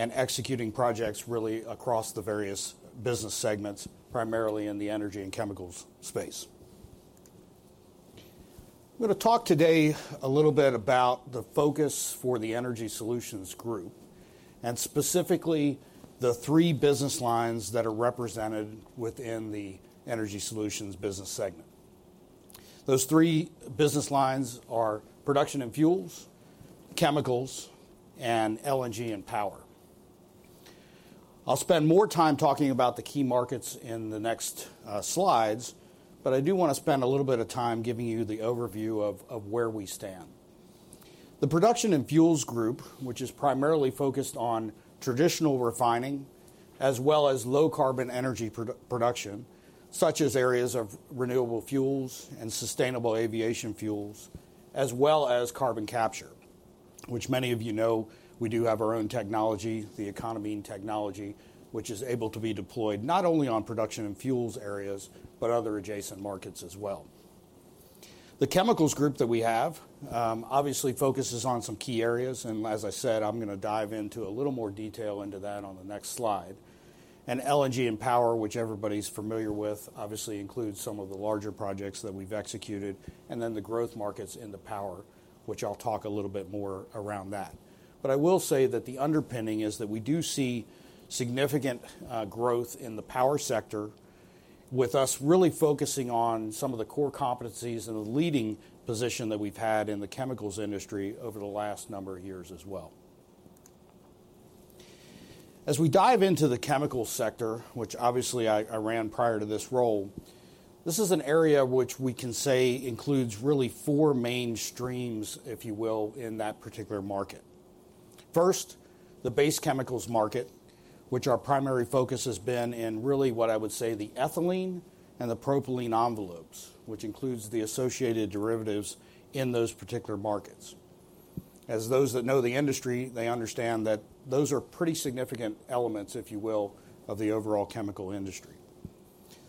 and executing projects really across the various business segments, primarily in the energy and chemicals space. I'm going to talk today a little bit about the focus for the Energy Solutions group and specifically the three business lines that are represented within the Energy Solutions business segment. Those three business lines are production and fuels, chemicals, and LNG and power. I'll spend more time talking about the key markets in the next slides, but I do want to spend a little bit of time giving you the overview of where we stand. The production and fuels group, which is primarily focused on traditional refining as well as low-carbon energy production, such as areas of renewable fuels and sustainable aviation fuels, as well as carbon capture, which many of you know we do have our own technology, the economy and technology, which is able to be deployed not only on production and fuels areas but other adjacent markets as well. The chemicals group that we have obviously focuses on some key areas. As I said, I'm going to dive into a little more detail into that on the next slide. In LNG and power, which everybody's familiar with, obviously includes some of the larger projects that we've executed, and then the growth markets in the power, which I'll talk a little bit more around that. I will say that the underpinning is that we do see significant growth in the power sector with us really focusing on some of the core competencies and the leading position that we've had in the chemicals industry over the last number of years as well. As we dive into the chemicals sector, which obviously I ran prior to this role, this is an area which we can say includes really four main streams, if you will, in that particular market. First, the base chemicals market, which our primary focus has been in really what I would say the ethylene and the propylene envelopes, which includes the associated derivatives in those particular markets. As those that know the industry, they understand that those are pretty significant elements, if you will, of the overall chemical industry.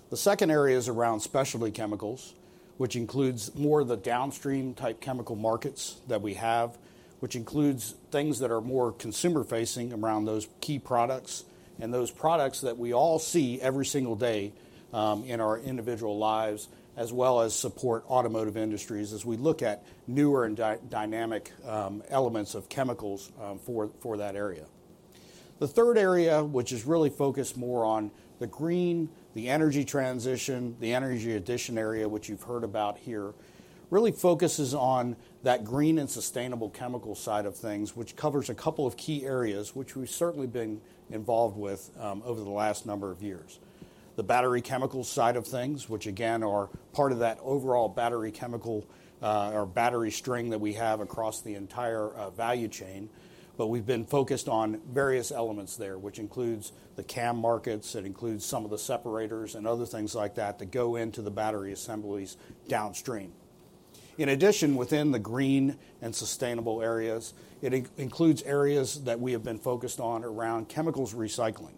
The second area is around specialty chemicals, which includes more of the downstream type chemical markets that we have, which includes things that are more consumer-facing around those key products and those products that we all see every single day in our individual lives, as well as support automotive industries as we look at newer and dynamic elements of chemicals for that area. The third area, which is really focused more on the green, the energy transition, the energy addition area, which you've heard about here, really focuses on that green and sustainable chemical side of things, which covers a couple of key areas which we've certainly been involved with over the last number of years. The battery chemicals side of things, which again are part of that overall battery chemical or battery string that we have across the entire value chain. We have been focused on various elements there, which includes the CAM markets. It includes some of the separators and other things like that that go into the battery assemblies downstream. In addition, within the green and sustainable areas, it includes areas that we have been focused on around chemicals recycling,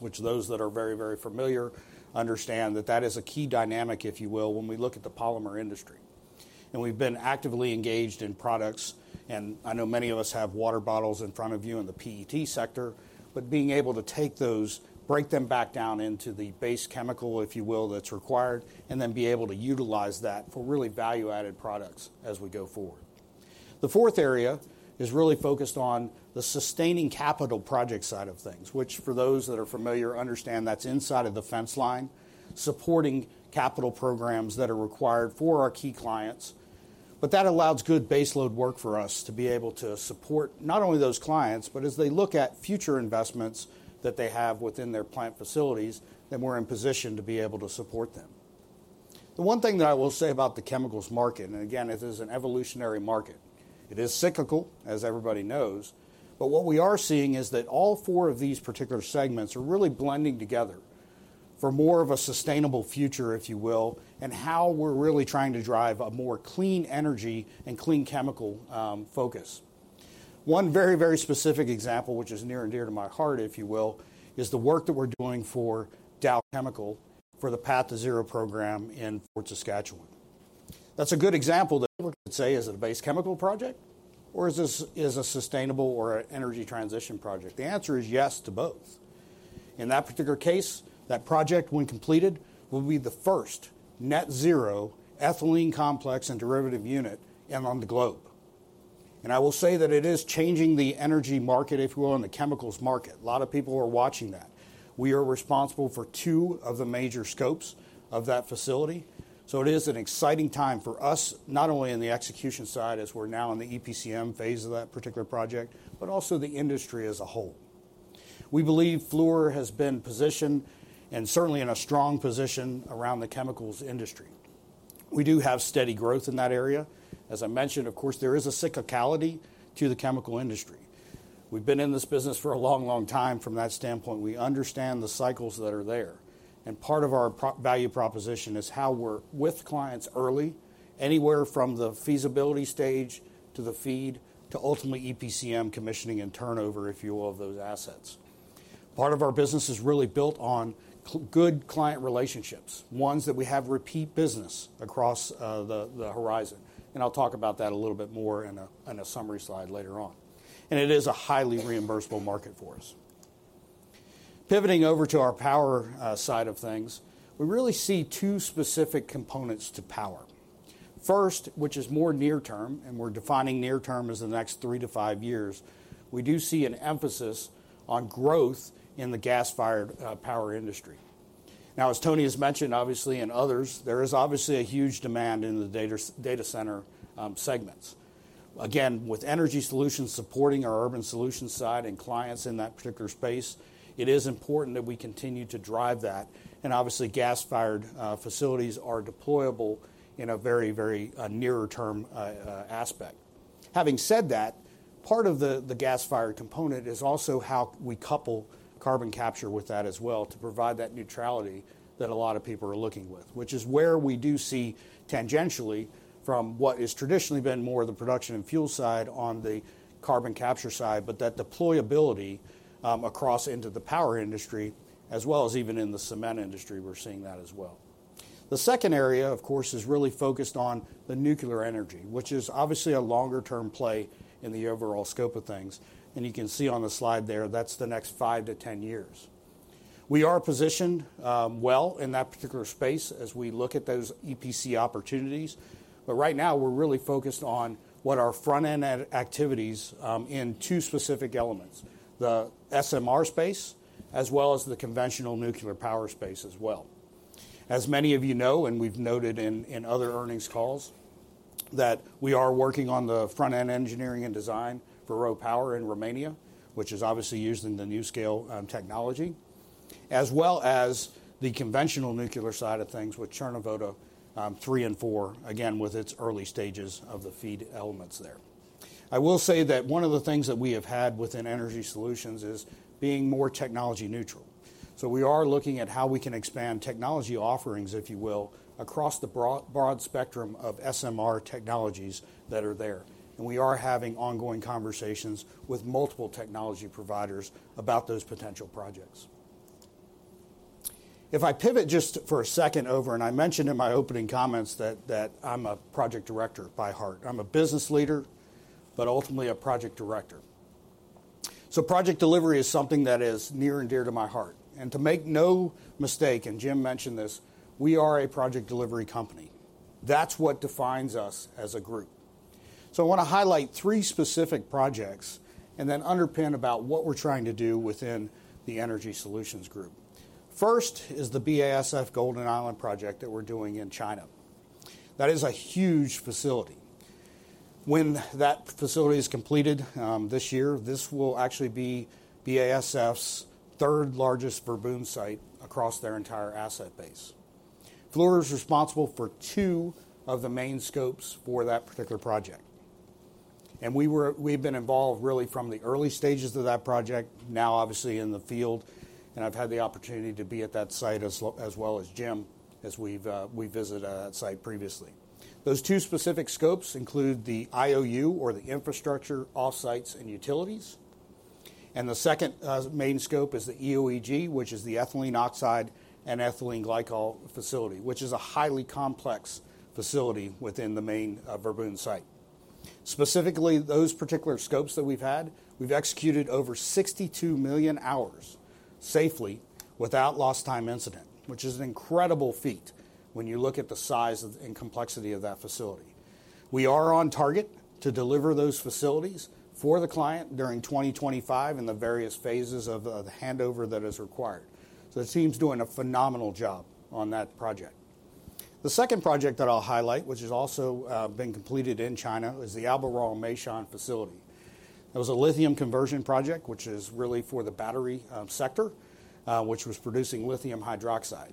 which those that are very, very familiar understand that that is a key dynamic, if you will, when we look at the polymer industry. We have been actively engaged in products. I know many of us have water bottles in front of you in the PET sector, but being able to take those, break them back down into the base chemical, if you will, that's required, and then be able to utilize that for really value-added products as we go forward. The fourth area is really focused on the sustaining capital project side of things, which for those that are familiar understand that's inside of the fence line, supporting capital programs that are required for our key clients. That allows good baseload work for us to be able to support not only those clients, but as they look at future investments that they have within their plant facilities, we are in position to be able to support them. The one thing that I will say about the chemicals market, and again, it is an evolutionary market. It is cyclical, as everybody knows. What we are seeing is that all four of these particular segments are really blending together for more of a sustainable future, if you will, and how we're really trying to drive a more clean energy and clean chemical focus. One very, very specific example, which is near and dear to my heart, if you will, is the work that we're doing for Dow Chemical for the Path2Zero program in Fort Saskatchewan. That's a good example that people could say, is it a base chemical project or is this a sustainable or an energy transition project? The answer is yes to both. In that particular case, that project, when completed, will be the first net zero ethylene complex and derivative unit on the globe. I will say that it is changing the energy market, if you will, and the chemicals market. A lot of people are watching that. We are responsible for two of the major scopes of that facility. It is an exciting time for us, not only in the execution side as we're now in the EPCM phase of that particular project, but also the industry as a whole. We believe Fluor has been positioned and certainly in a strong position around the chemicals industry. We do have steady growth in that area. As I mentioned, of course, there is a cyclicality to the chemical industry. We've been in this business for a long, long time. From that standpoint, we understand the cycles that are there. Part of our value proposition is how we're with clients early, anywhere from the feasibility stage to the FEED to ultimately EPCM commissioning and turnover, if you will, of those assets. Part of our business is really built on good client relationships, ones that we have repeat business across the horizon. I'll talk about that a little bit more in a summary slide later on. It is a highly reimbursable market for us. Pivoting over to our power side of things, we really see two specific components to power. First, which is more near term, and we're defining near term as the next three to five years, we do see an emphasis on growth in the gas-fired power industry. Now, as Tony has mentioned, obviously, and others, there is obviously a huge demand in the data center segments. Again, with Energy Solutions supporting our urban solution side and clients in that particular space, it is important that we continue to drive that. Obviously, gas-fired facilities are deployable in a very, very near term aspect. Having said that, part of the gas-fired component is also how we couple carbon capture with that as well to provide that neutrality that a lot of people are looking with, which is where we do see tangentially from what has traditionally been more of the production and fuel side on the carbon capture side, but that deployability across into the power industry, as well as even in the cement industry, we're seeing that as well. The second area, of course, is really focused on the nuclear energy, which is obviously a longer-term play in the overall scope of things. You can see on the slide there, that's the next 5-10 years. We are positioned well in that particular space as we look at those EPC opportunities. Right now, we're really focused on what our front-end activities in two specific elements, the SMR space, as well as the conventional nuclear power space as well. As many of you know, and we've noted in other earnings calls, we are working on the front-end engineering and design for RoPower in Romania, which is obviously using the NuScale technology, as well as the conventional nuclear side of things with Cernavoda 3 and 4, again, with its early stages of the FEED elements there. I will say that one of the things that we have had within Energy Solutions is being more technology neutral. We are looking at how we can expand technology offerings, if you will, across the broad spectrum of SMR technologies that are there. We are having ongoing conversations with multiple technology providers about those potential projects. If I pivot just for a second over, and I mentioned in my opening comments that I'm a project director by heart. I'm a business leader, but ultimately a project director. Project delivery is something that is near and dear to my heart. Make no mistake, and Jim mentioned this, we are a project delivery company. That's what defines us as a group. I want to highlight three specific projects and then underpin about what we're trying to do within the Energy Solutions group. First is the BASF Golden Island project that we're doing in China. That is a huge facility. When that facility is completed this year, this will actually be BASF's third largest Verbund site across their entire asset base. Fluor is responsible for two of the main scopes for that particular project. We have been involved really from the early stages of that project, now obviously in the field. I have had the opportunity to be at that site as well as Jim as we have visited that site previously. Those two specific scopes include the IOU, or the infrastructure, offsites, and utilities. The second main scope is the EO/EG, which is the ethylene oxide and ethylene glycol facility, which is a highly complex facility within the main Verbund site. Specifically, those particular scopes that we have had, we have executed over 62 million hours safely without lost-time incident, which is an incredible feat when you look at the size and complexity of that facility. We are on target to deliver those facilities for the client during 2025 and the various phases of the handover that is required. The team's doing a phenomenal job on that project. The second project that I'll highlight, which has also been completed in China, is the Albemarle Meishan facility. It was a lithium conversion project, which is really for the battery sector, which was producing lithium hydroxide.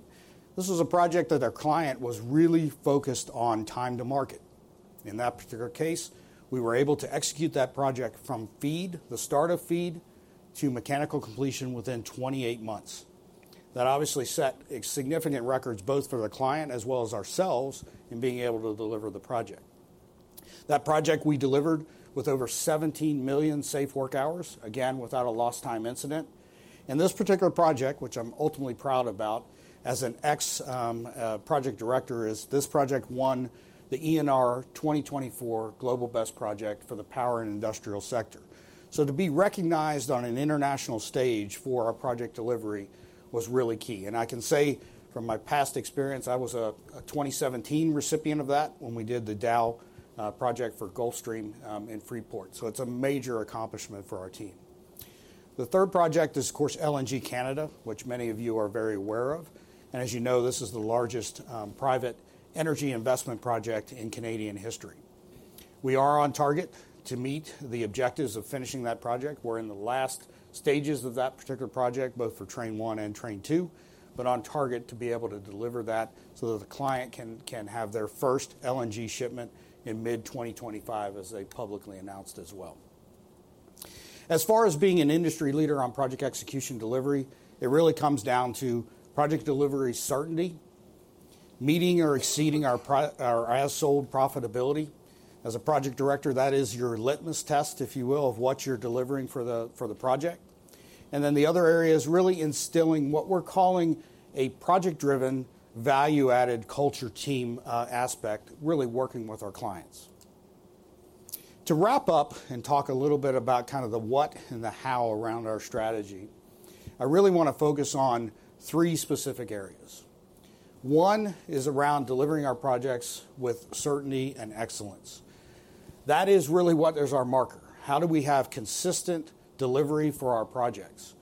This was a project that our client was really focused on time to market. In that particular case, we were able to execute that project from FEED, the start of FEED, to mechanical completion within 28 months. That obviously set significant records both for the client as well as ourselves in being able to deliver the project. That project we delivered with over 17 million safe work hours, again, without a lost-time incident. This particular project, which I'm ultimately proud about as an ex-project director, is this project won the ENR 2024 Global Best Project for the power and industrial sector. To be recognized on an international stage for our project delivery was really key. I can say from my past experience, I was a 2017 recipient of that when we did the Dow Project for Gulfstream in Freeport. It's a major accomplishment for our team. The third project is, of course, LNG Canada, which many of you are very aware of. As you know, this is the largest private energy investment project in Canadian history. We are on target to meet the objectives of finishing that project. We're in the last stages of that particular project, both for train one and train two, but on target to be able to deliver that so that the client can have their first LNG shipment in mid-2025, as they publicly announced as well. As far as being an industry leader on project execution delivery, it really comes down to project delivery certainty, meeting or exceeding our ass-hold profitability. As a project director, that is your litmus test, if you will, of what you're delivering for the project. The other area is really instilling what we're calling a project-driven value-added culture team aspect, really working with our clients. To wrap up and talk a little bit about kind of the what and the how around our strategy, I really want to focus on three specific areas. One is around delivering our projects with certainty and excellence. That is really what is our marker. How do we have consistent delivery for our projects?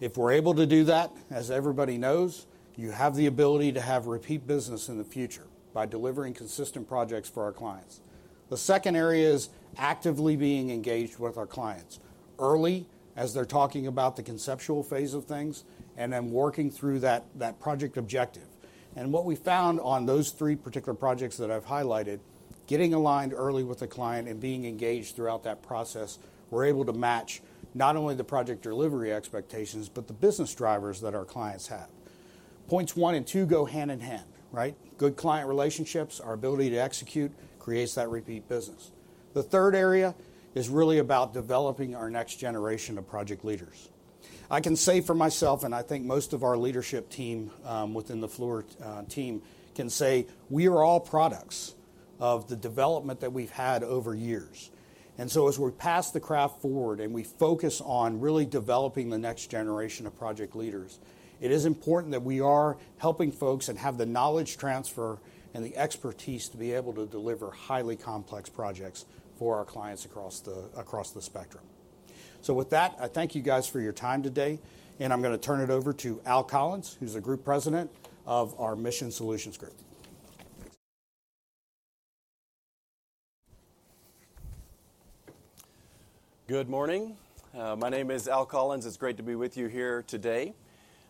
If we're able to do that, as everybody knows, you have the ability to have repeat business in the future by delivering consistent projects for our clients. The second area is actively being engaged with our clients early as they're talking about the conceptual phase of things and then working through that project objective. What we found on those three particular projects that I've highlighted, getting aligned early with the client and being engaged throughout that process, we're able to match not only the project delivery expectations, but the business drivers that our clients have. Points one and two go hand in hand, right? Good client relationships, our ability to execute creates that repeat business. The third area is really about developing our next generation of project leaders. I can say for myself, and I think most of our leadership team within the Fluor team can say, we are all products of the development that we've had over years. As we're past the craft forward and we focus on really developing the next generation of project leaders, it is important that we are helping folks and have the knowledge transfer and the expertise to be able to deliver highly complex projects for our clients across the spectrum. I thank you guys for your time today. I'm going to turn it over to Al Collins, who's the Group President of our Mission Solutions group. Good morning. My name is Al Collins. It's great to be with you here today.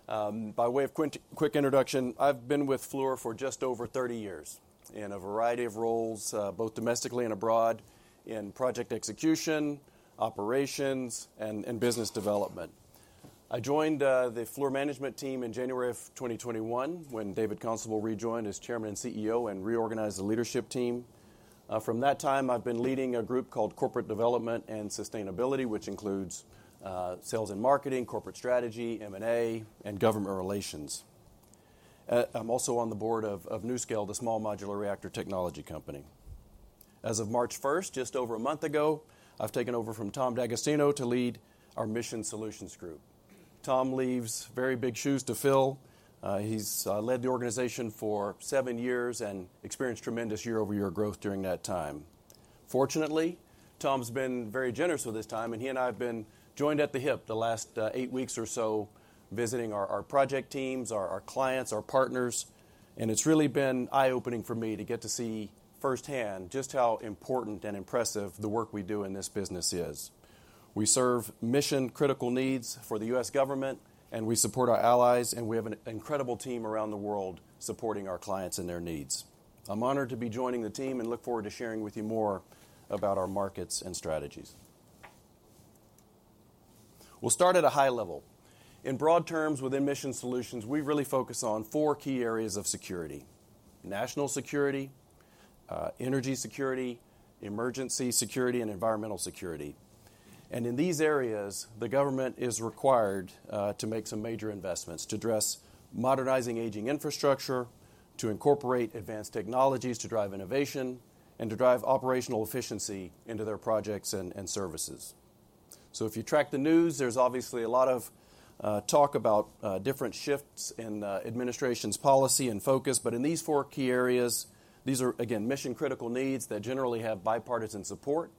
By way of quick introduction, I've been with Fluor for just over 30 years in a variety of roles, both domestically and abroad, in project execution, operations, and business development. I joined the Fluor management team in January of 2021 when David Constable rejoined as Chairman and CEO and reorganized the leadership team. From that time, I've been leading a group called Corporate Development and Sustainability, which includes sales and marketing, corporate strategy, M&A, and government relations. I'm also on the board of NuScale, the small modular reactor technology company. As of March 1st, just over a month ago, I've taken over from Tom D'Agostino to lead our Mission Solutions group. Tom leaves very big shoes to fill. He's led the organization for seven years and experienced tremendous year-over-year growth during that time. Fortunately, Tom's been very generous with his time, and he and I have been joined at the hip the last 8 weeks or so, visiting our project teams, our clients, our partners. It's really been eye-opening for me to get to see firsthand just how important and impressive the work we do in this business is. We serve mission-critical needs for the U.S. government, and we support our allies, and we have an incredible team around the world supporting our clients and their needs. I'm honored to be joining the team and look forward to sharing with you more about our markets and strategies. We'll start at a high level. In broad terms, within Mission Solutions, we really focus on four key areas of security: national security, energy security, emergency security, and environmental security. In these areas, the government is required to make some major investments to address modernizing aging infrastructure, to incorporate advanced technologies to drive innovation, and to drive operational efficiency into their projects and services. If you track the news, there's obviously a lot of talk about different shifts in administration's policy and focus. In these four key areas, these are, again, mission-critical needs that generally have bipartisan support,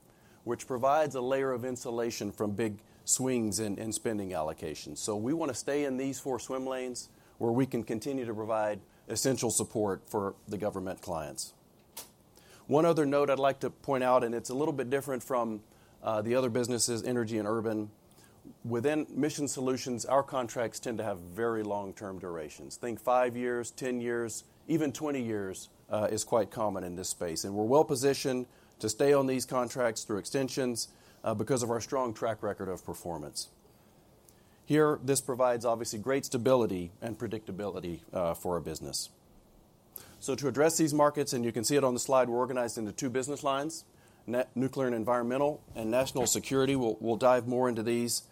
which provides a layer of insulation from big swings in spending allocations. We want to stay in these four swim lanes where we can continue to provide essential support for the government clients. One other note I'd like to point out, and it's a little bit different from the other businesses, Energy and Urban. Within Mission Solutions, our contracts tend to have very long-term durations. Think five years, 10 years, even 20 years is quite common in this space. We're well-positioned to stay on these contracts through extensions because of our strong track record of performance. This provides obviously great stability and predictability for our business. To address these markets, and you can see it on the slide, we're organized into two business lines: nuclear and environmental and national security. We'll dive more into these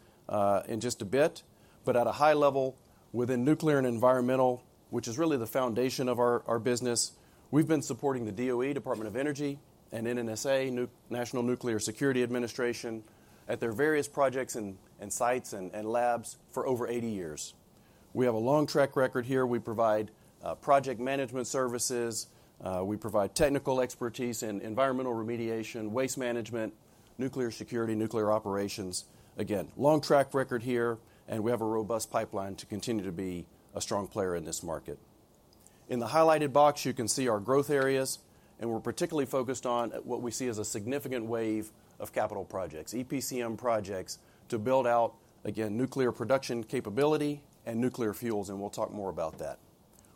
in just a bit. At a high level, within nuclear and environmental, which is really the foundation of our business, we've been supporting the DOE, Department of Energy, and NNSA, National Nuclear Security Administration, at their various projects and sites and labs for over 80 years. We have a long track record here. We provide project management services. We provide technical expertise in environmental remediation, waste management, nuclear security, nuclear operations. Again, long track record here, and we have a robust pipeline to continue to be a strong player in this market. In the highlighted box, you can see our growth areas, and we're particularly focused on what we see as a significant wave of capital projects, EPCM projects, to build out, again, nuclear production capability and nuclear fuels. We will talk more about that.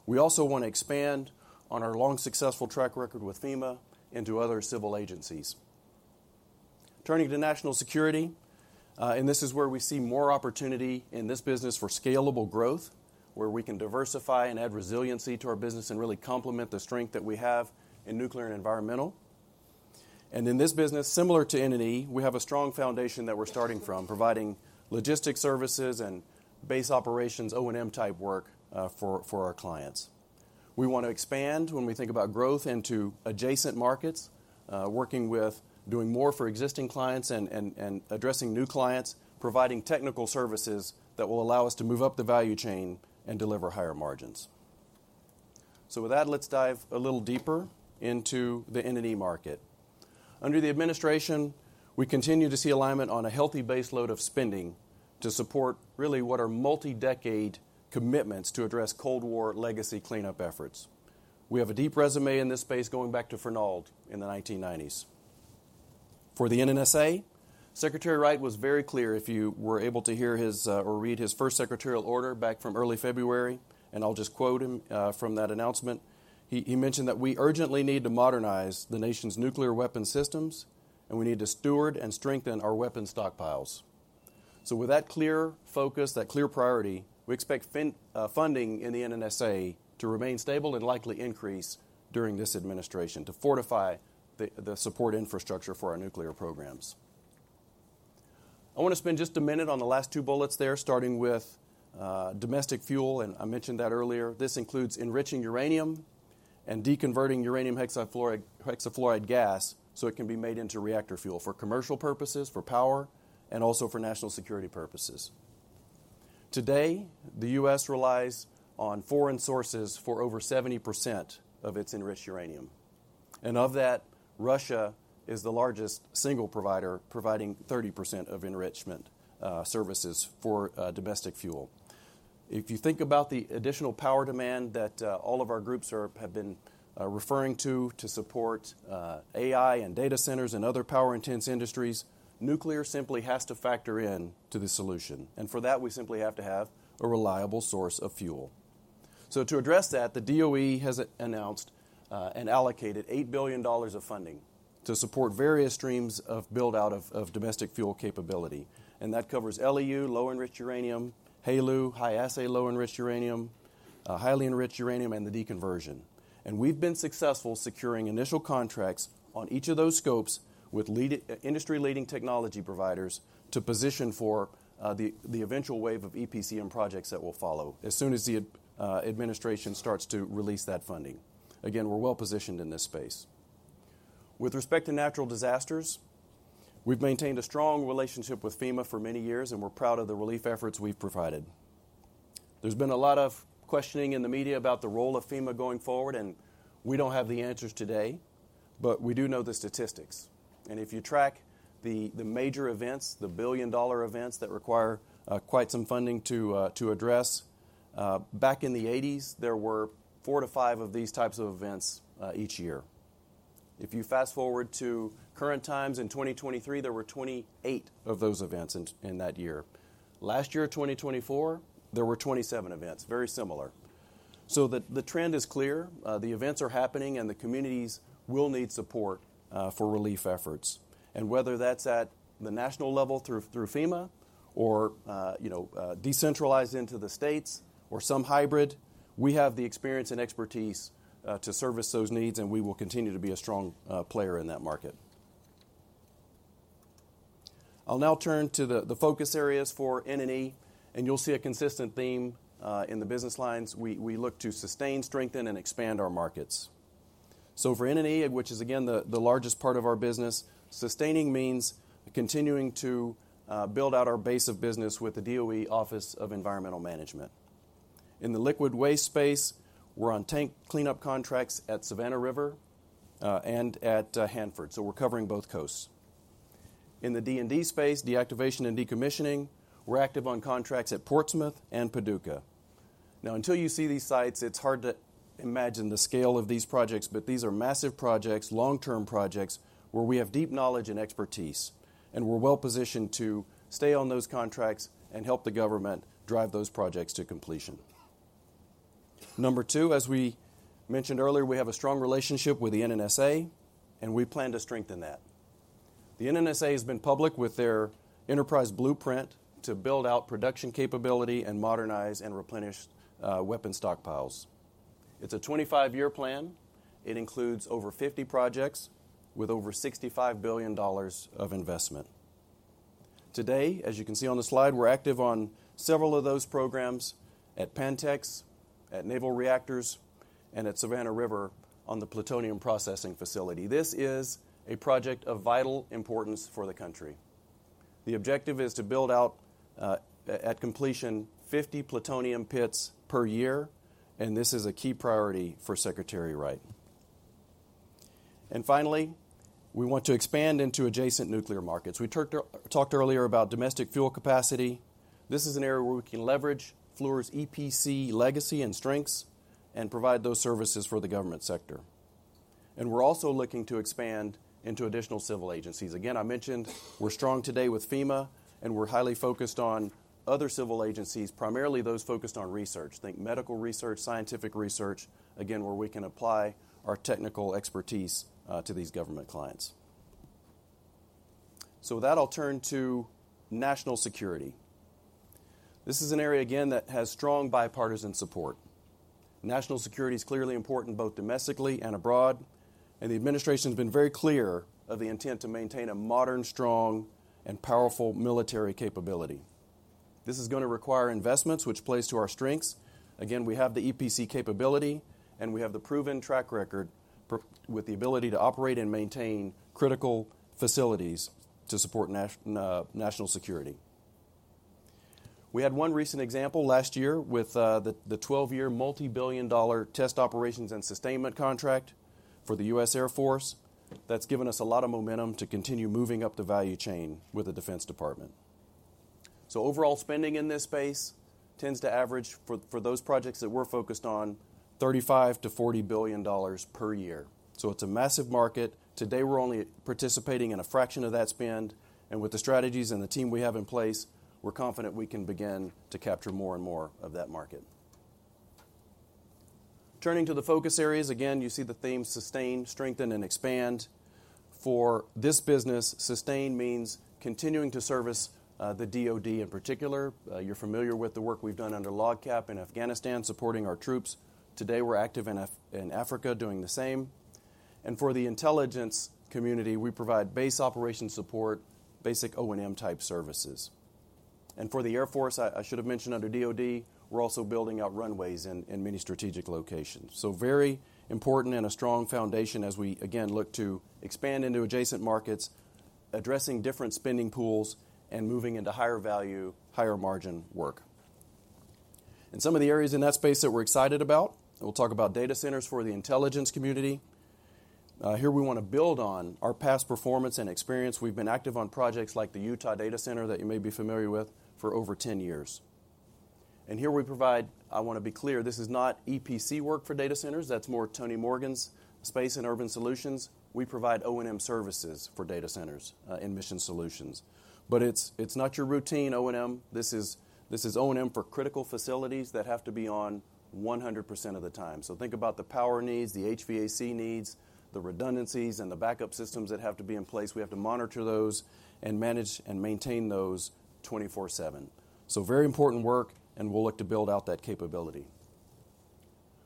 We also want to expand on our long successful track record with FEMA into other civil agencies. Turning to national security, this is where we see more opportunity in this business for scalable growth, where we can diversify and add resiliency to our business and really complement the strength that we have in nuclear and environmental. In this business, similar to N&E, we have a strong foundation that we're starting from, providing logistics services and base operations, O&M-type work for our clients. We want to expand when we think about growth into adjacent markets, working with doing more for existing clients and addressing new clients, providing technical services that will allow us to move up the value chain and deliver higher margins. With that, let's dive a little deeper into the N&E market. Under the administration, we continue to see alignment on a healthy baseload of spending to support really what are multi-decade commitments to address Cold War legacy cleanup efforts. We have a deep resume in this space going back to Fernald in the 1990s. For the NNSA, Secretary Wright was very clear if you were able to hear his or read his first secretarial order back from early February. I'll just quote him from that announcement. He mentioned that we urgently need to modernize the nation's nuclear weapons systems, and we need to steward and strengthen our weapons stockpiles. With that clear focus, that clear priority, we expect funding in the NNSA to remain stable and likely increase during this administration to fortify the support infrastructure for our nuclear programs. I want to spend just a minute on the last two bullets there, starting with domestic fuel, and I mentioned that earlier. This includes enriching uranium and deconverting uranium hexafluoride gas so it can be made into reactor fuel for commercial purposes, for power, and also for national security purposes. Today, the U.S. relies on foreign sources for over 70% of its enriched uranium. Of that, Russia is the largest single provider, providing 30% of enrichment services for domestic fuel. If you think about the additional power demand that all of our groups have been referring to to support AI and data centers and other power-intense industries, nuclear simply has to factor in to the solution. For that, we simply have to have a reliable source of fuel. To address that, the DOE has announced and allocated $8 billion of funding to support various streams of build-out of domestic fuel capability. That covers LEU, low-enriched uranium, HALEU, high-assay low-enriched uranium, highly-enriched uranium, and the deconversion. We have been successful securing initial contracts on each of those scopes with industry-leading technology providers to position for the eventual wave of EPCM projects that will follow as soon as the administration starts to release that funding. Again, we are well-positioned in this space. With respect to natural disasters, we've maintained a strong relationship with FEMA for many years, and we're proud of the relief efforts we've provided. There's been a lot of questioning in the media about the role of FEMA going forward, and we don't have the answers today, but we do know the statistics. If you track the major events, the billion-dollar events that require quite some funding to address, back in the 1980s, there were four to five of these types of events each year. If you fast forward to current times in 2023, there were 28 of those events in that year. Last year, 2024, there were 27 events, very similar. The trend is clear. The events are happening, and the communities will need support for relief efforts. Whether that's at the national level through FEMA or decentralized into the states or some hybrid, we have the experience and expertise to service those needs, and we will continue to be a strong player in that market. I'll now turn to the focus areas for N&E, and you'll see a consistent theme in the business lines. We look to sustain, strengthen, and expand our markets. For N&E, which is again the largest part of our business, sustaining means continuing to build out our base of business with the DOE Office of Environmental Management. In the liquid waste space, we're on tank cleanup contracts at Savannah River and at Hanford. We're covering both coasts. In the D&D space, deactivation and decommissioning, we're active on contracts at Portsmouth and Paducah. Now, until you see these sites, it's hard to imagine the scale of these projects, but these are massive projects, long-term projects where we have deep knowledge and expertise, and we're well-positioned to stay on those contracts and help the government drive those projects to completion. Number two, as we mentioned earlier, we have a strong relationship with the NNSA, and we plan to strengthen that. The NNSA has been public with their enterprise blueprint to build out production capability and modernize and replenish weapon stockpiles. It's a 25-year plan. It includes over 50 projects with over $65 billion of investment. Today, as you can see on the slide, we're active on several of those programs at Pantex, at Naval Reactors, and at Savannah River on the plutonium processing facility. This is a project of vital importance for the country. The objective is to build out, at completion, 50 plutonium pits per year, and this is a key priority for Secretary Wright. Finally, we want to expand into adjacent nuclear markets. We talked earlier about domestic fuel capacity. This is an area where we can leverage Fluor's EPC legacy and strengths and provide those services for the government sector. We're also looking to expand into additional civil agencies. Again, I mentioned we're strong today with FEMA, and we're highly focused on other civil agencies, primarily those focused on research. Think medical research, scientific research, again, where we can apply our technical expertise to these government clients. With that, I'll turn to national security. This is an area, again, that has strong bipartisan support. National security is clearly important both domestically and abroad, and the administration has been very clear of the intent to maintain a modern, strong, and powerful military capability. This is going to require investments, which plays to our strengths. Again, we have the EPC capability, and we have the proven track record with the ability to operate and maintain critical facilities to support national security. We had one recent example last year with the 12-year multi-billion dollar test operations and sustainment contract for the U.S. Air Force. That has given us a lot of momentum to continue moving up the value chain with the Defense Department. Overall spending in this space tends to average for those projects that we are focused on, $35 billion-$40 billion per year. It is a massive market. Today, we are only participating in a fraction of that spend. With the strategies and the team we have in place, we're confident we can begin to capture more and more of that market. Turning to the focus areas, again, you see the theme sustain, strengthen, and expand. For this business, sustain means continuing to service the DOD in particular. You're familiar with the work we've done under LOGCAP in Afghanistan supporting our troops. Today, we're active in Africa doing the same. For the intelligence community, we provide base operation support, basic O&M-type services. For the Air Force, I should have mentioned under DOD, we're also building out runways in many strategic locations. Very important and a strong foundation as we, again, look to expand into adjacent markets, addressing different spending pools and moving into higher value, higher margin work. Some of the areas in that space that we're excited about, we'll talk about data centers for the intelligence community. Here, we want to build on our past performance and experience. We've been active on projects like the Utah Data Center that you may be familiar with for over 10 years. Here we provide, I want to be clear, this is not EPC work for data centers. That's more Tony Morgan's space and Urban Solutions. We provide O&M services for data centers and Mission Solutions. It's not your routine O&M. This is O&M for critical facilities that have to be on 100% of the time. Think about the power needs, the HVAC needs, the redundancies and the backup systems that have to be in place. We have to monitor those and manage and maintain those 24/7. Very important work, and we'll look to build out that capability.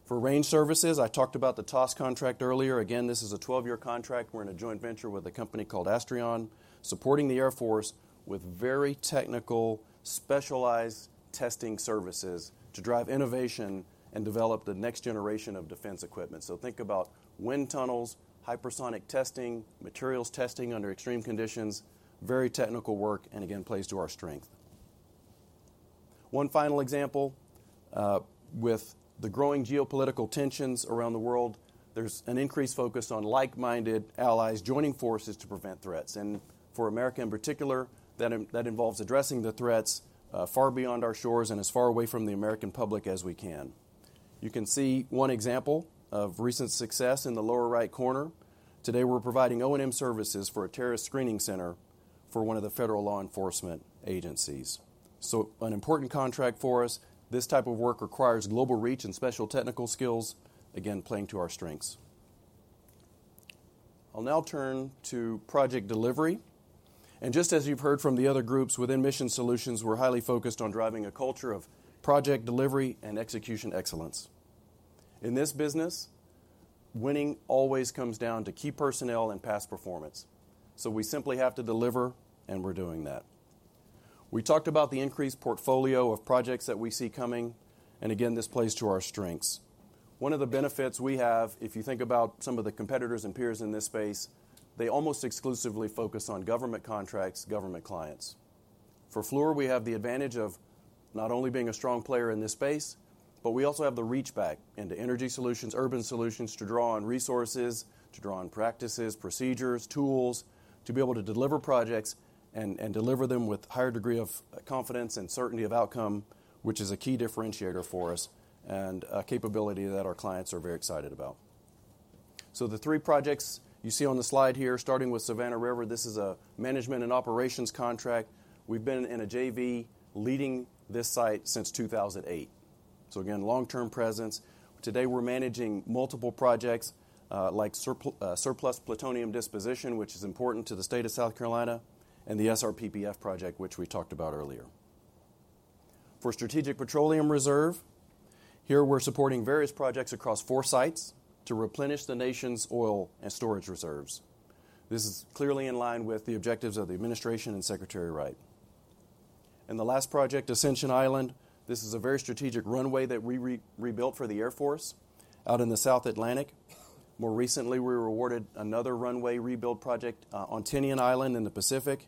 For range services, I talked about the TOS contract earlier. Again, this is a 12-year contract. We're in a joint venture with a company called Astrion, supporting the Air Force with very technical, specialized testing services to drive innovation and develop the next generation of defense equipment. Think about wind tunnels, hypersonic testing, materials testing under extreme conditions, very technical work, and again, plays to our strength. One final example, with the growing geopolitical tensions around the world, there's an increased focus on like-minded allies joining forces to prevent threats. For America in particular, that involves addressing the threats far beyond our shores and as far away from the American public as we can. You can see one example of recent success in the lower right corner. Today, we're providing O&M services for a terrorist screening center for one of the federal law enforcement agencies. This is an important contract for us. This type of work requires global reach and special technical skills, again, playing to our strengths. I'll now turn to project delivery. Just as you've heard from the other groups within Mission Solutions, we're highly focused on driving a culture of project delivery and execution excellence. In this business, winning always comes down to key personnel and past performance. We simply have to deliver, and we're doing that. We talked about the increased portfolio of projects that we see coming, and again, this plays to our strengths. One of the benefits we have, if you think about some of the competitors and peers in this space, they almost exclusively focus on government contracts, government clients. For Fluor, we have the advantage of not only being a strong player in this space, but we also have the reach back into Energy Solutions, Urban Solutions to draw on resources, to draw on practices, procedures, tools to be able to deliver projects and deliver them with a higher degree of confidence and certainty of outcome, which is a key differentiator for us and a capability that our clients are very excited about. The three projects you see on the slide here, starting with Savannah River, this is a management and operations contract. We've been in a JV leading this site since 2008. Again, long-term presence. Today, we're managing multiple projects like surplus plutonium disposition, which is important to the state of South Carolina, and the SRPPF project, which we talked about earlier. For Strategic Petroleum Reserve, here we're supporting various projects across four sites to replenish the nation's oil and storage reserves. This is clearly in line with the objectives of the administration and Secretary Wright. The last project, Ascension Island, this is a very strategic runway that we rebuilt for the Air Force out in the South Atlantic. More recently, we were awarded another runway rebuild project on Tinian Island in the Pacific.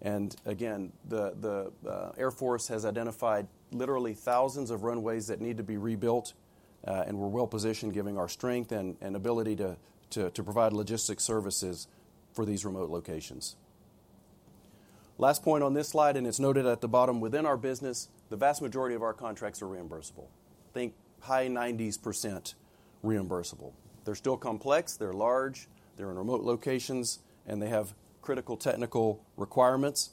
The Air Force has identified literally thousands of runways that need to be rebuilt and we're well-positioned given our strength and ability to provide logistics services for these remote locations. Last point on this slide, and it's noted at the bottom, within our business, the vast majority of our contracts are reimbursable. Think high 90s % reimbursable. They're still complex, they're large, they're in remote locations, and they have critical technical requirements.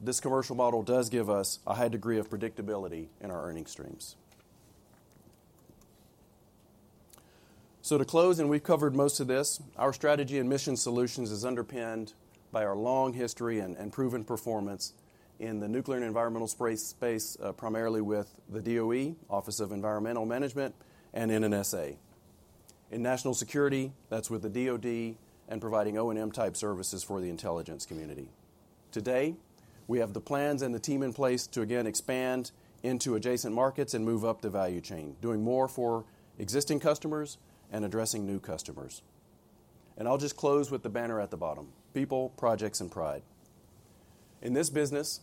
This commercial model does give us a high degree of predictability in our earning streams. To close, and we've covered most of this, our strategy and Mission Solutions is underpinned by our long history and proven performance in the nuclear and environmental space, primarily with the DOE, Office of Environmental Management, and NNSA. In national security, that's with the DOD and providing O&M-type services for the intelligence community. Today, we have the plans and the team in place to, again, expand into adjacent markets and move up the value chain, doing more for existing customers and addressing new customers. I'll just close with the banner at the bottom, people, projects, and pride. In this business,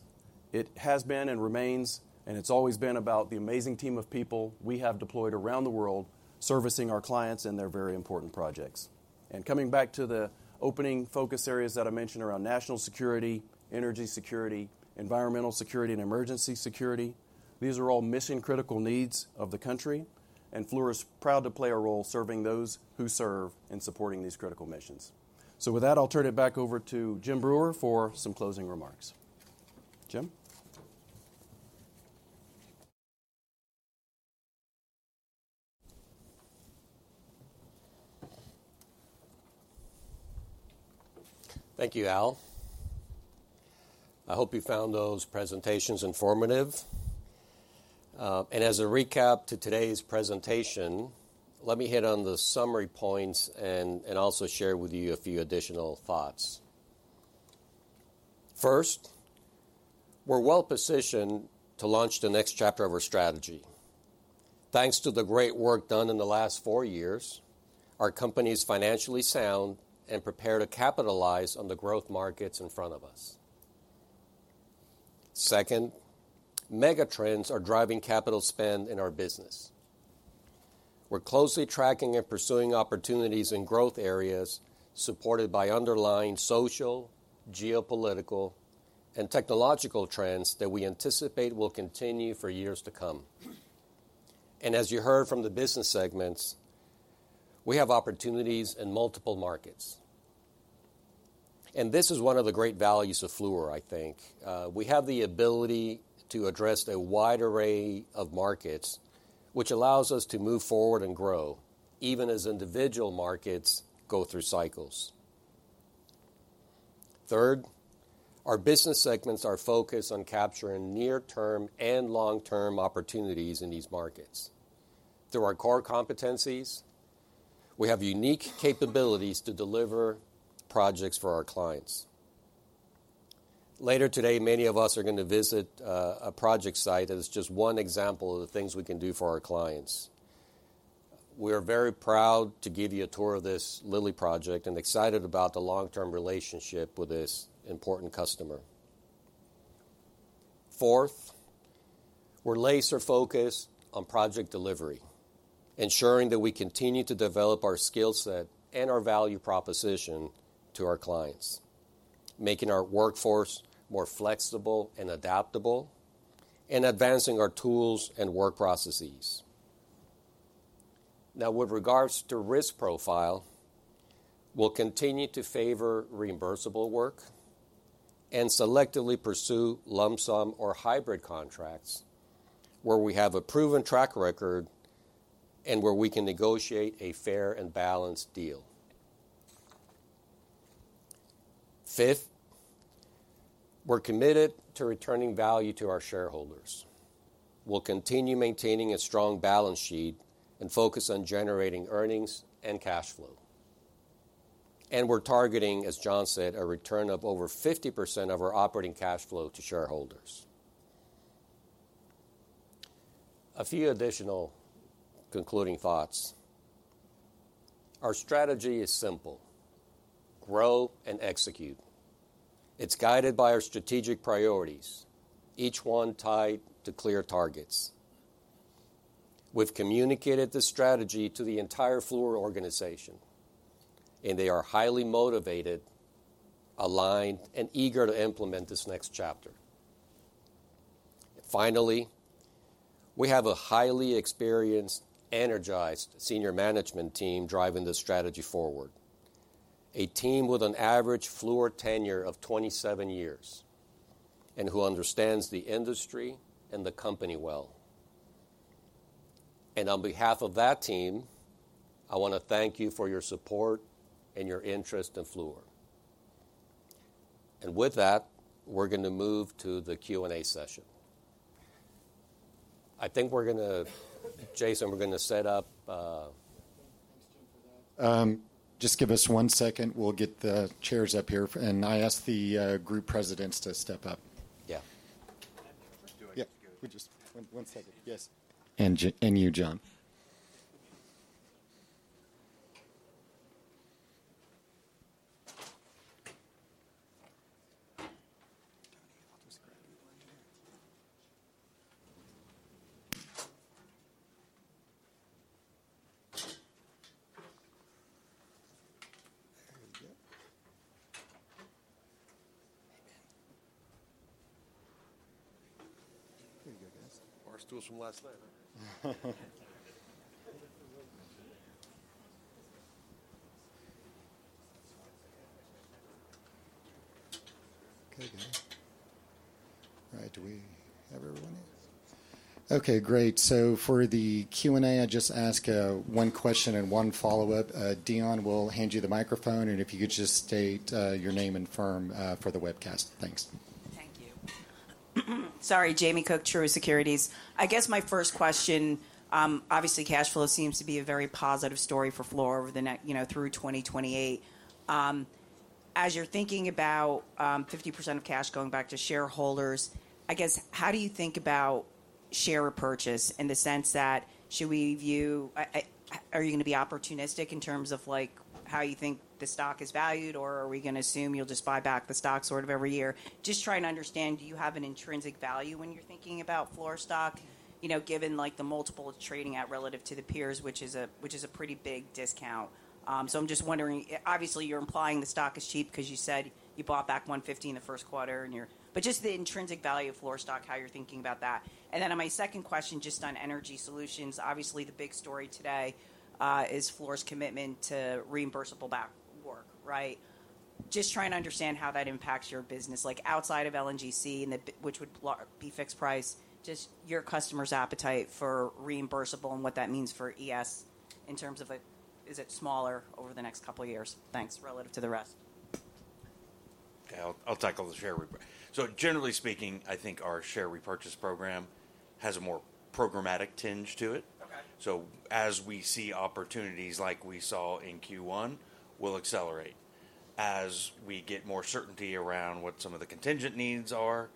it has been and remains, and it's always been about the amazing team of people we have deployed around the world servicing our clients and their very important projects. Coming back to the opening focus areas that I mentioned around national security, energy security, environmental security, and emergency security, these are all mission-critical needs of the country, and Fluor is proud to play a role serving those who serve and supporting these critical missions. With that, I'll turn it back over to Jim Breuer for some closing remarks. Jim. Thank you, Al. I hope you found those presentations informative. As a recap to today's presentation, let me hit on the summary points and also share with you a few additional thoughts. First, we're well-positioned to launch the next chapter of our strategy. Thanks to the great work done in the last 4 years, our company is financially sound and prepared to capitalize on the growth markets in front of us. Second, mega trends are driving capital spend in our business. We're closely tracking and pursuing opportunities in growth areas supported by underlying social, geopolitical, and technological trends that we anticipate will continue for years to come. As you heard from the business segments, we have opportunities in multiple markets. This is one of the great values of Fluor, I think. We have the ability to address a wide array of markets, which allows us to move forward and grow even as individual markets go through cycles. Third, our business segments are focused on capturing near-term and long-term opportunities in these markets. Through our core competencies, we have unique capabilities to deliver projects for our clients. Later today, many of us are going to visit a project site. It's just one example of the things we can do for our clients. We are very proud to give you a tour of this Lilly project and excited about the long-term relationship with this important customer. Fourth, we're laser-focused on project delivery, ensuring that we continue to develop our skill set and our value proposition to our clients, making our workforce more flexible and adaptable, and advancing our tools and work processes. Now, with regards to risk profile, we'll continue to favor reimbursable work and selectively pursue lump sum or hybrid contracts where we have a proven track record and where we can negotiate a fair and balanced deal. Fifth, we're committed to returning value to our shareholders. We'll continue maintaining a strong balance sheet and focus on generating earnings and cash flow. We're targeting, as John said, a return of over 50% of our operating cash flow to shareholders. A few additional concluding thoughts. Our strategy is simple. "Grow and Execute." It's guided by our strategic priorities, each one tied to clear targets. We've communicated the strategy to the entire Fluor organization, and they are highly motivated, aligned, and eager to implement this next chapter. Finally, we have a highly experienced, energized senior management team driving the strategy forward. A team with an average Fluor tenure of 27 years and who understands the industry and the company well. On behalf of that team, I want to thank you for your support and your interest in Fluor. With that, we're going to move to the Q&A session. I think we're going to, Jason, we're going to set up. Thanks, Jim. Just give us one second. We will get the chairs up here. I asked the group presidents to step up. Yeah. We're just—one second. Yes. And you, John. [audio distortion] Okay, guys. All right. Do we have everyone in? Okay, great. For the Q&A, I just ask one question and one follow-up. Dion, we will hand you the microphone, and if you could just state your name and firm for the webcast. Thanks. Thank you. Sorry, Jamie Cook, Truist Securities. I guess my first question, obviously, cash flow seems to be a very positive story for Fluor through 2028. As you're thinking about 50% of cash going back to shareholders, I guess, how do you think about share purchase in the sense that should we view, are you going to be opportunistic in terms of how you think the stock is valued, or are we going to assume you'll just buy back the stock sort of every year? Just trying to understand, do you have an intrinsic value when you're thinking about Fluor stock, given the multiple trading out relative to the peers, which is a pretty big discount? I'm just wondering, obviously, you're implying the stock is cheap because you said you bought back $150 million in the first quarter, but just the intrinsic value of Fluor stock, how you're thinking about that. My second question, just on Energy Solutions, obviously, the big story today is Fluor's commitment to reimbursable back work, right? Just trying to understand how that impacts your business, outside of LNGC, which would be fixed price, just your customer's appetite for reimbursable and what that means for ES in terms of, is it smaller over the next couple of years? Thanks, relative to the rest. I'll tackle the share rep. Generally speaking, I think our share repurchase program has a more programmatic tinge to it. As we see opportunities like we saw in Q1, we'll accelerate. As we get more certainty around what some of the contingent needs are,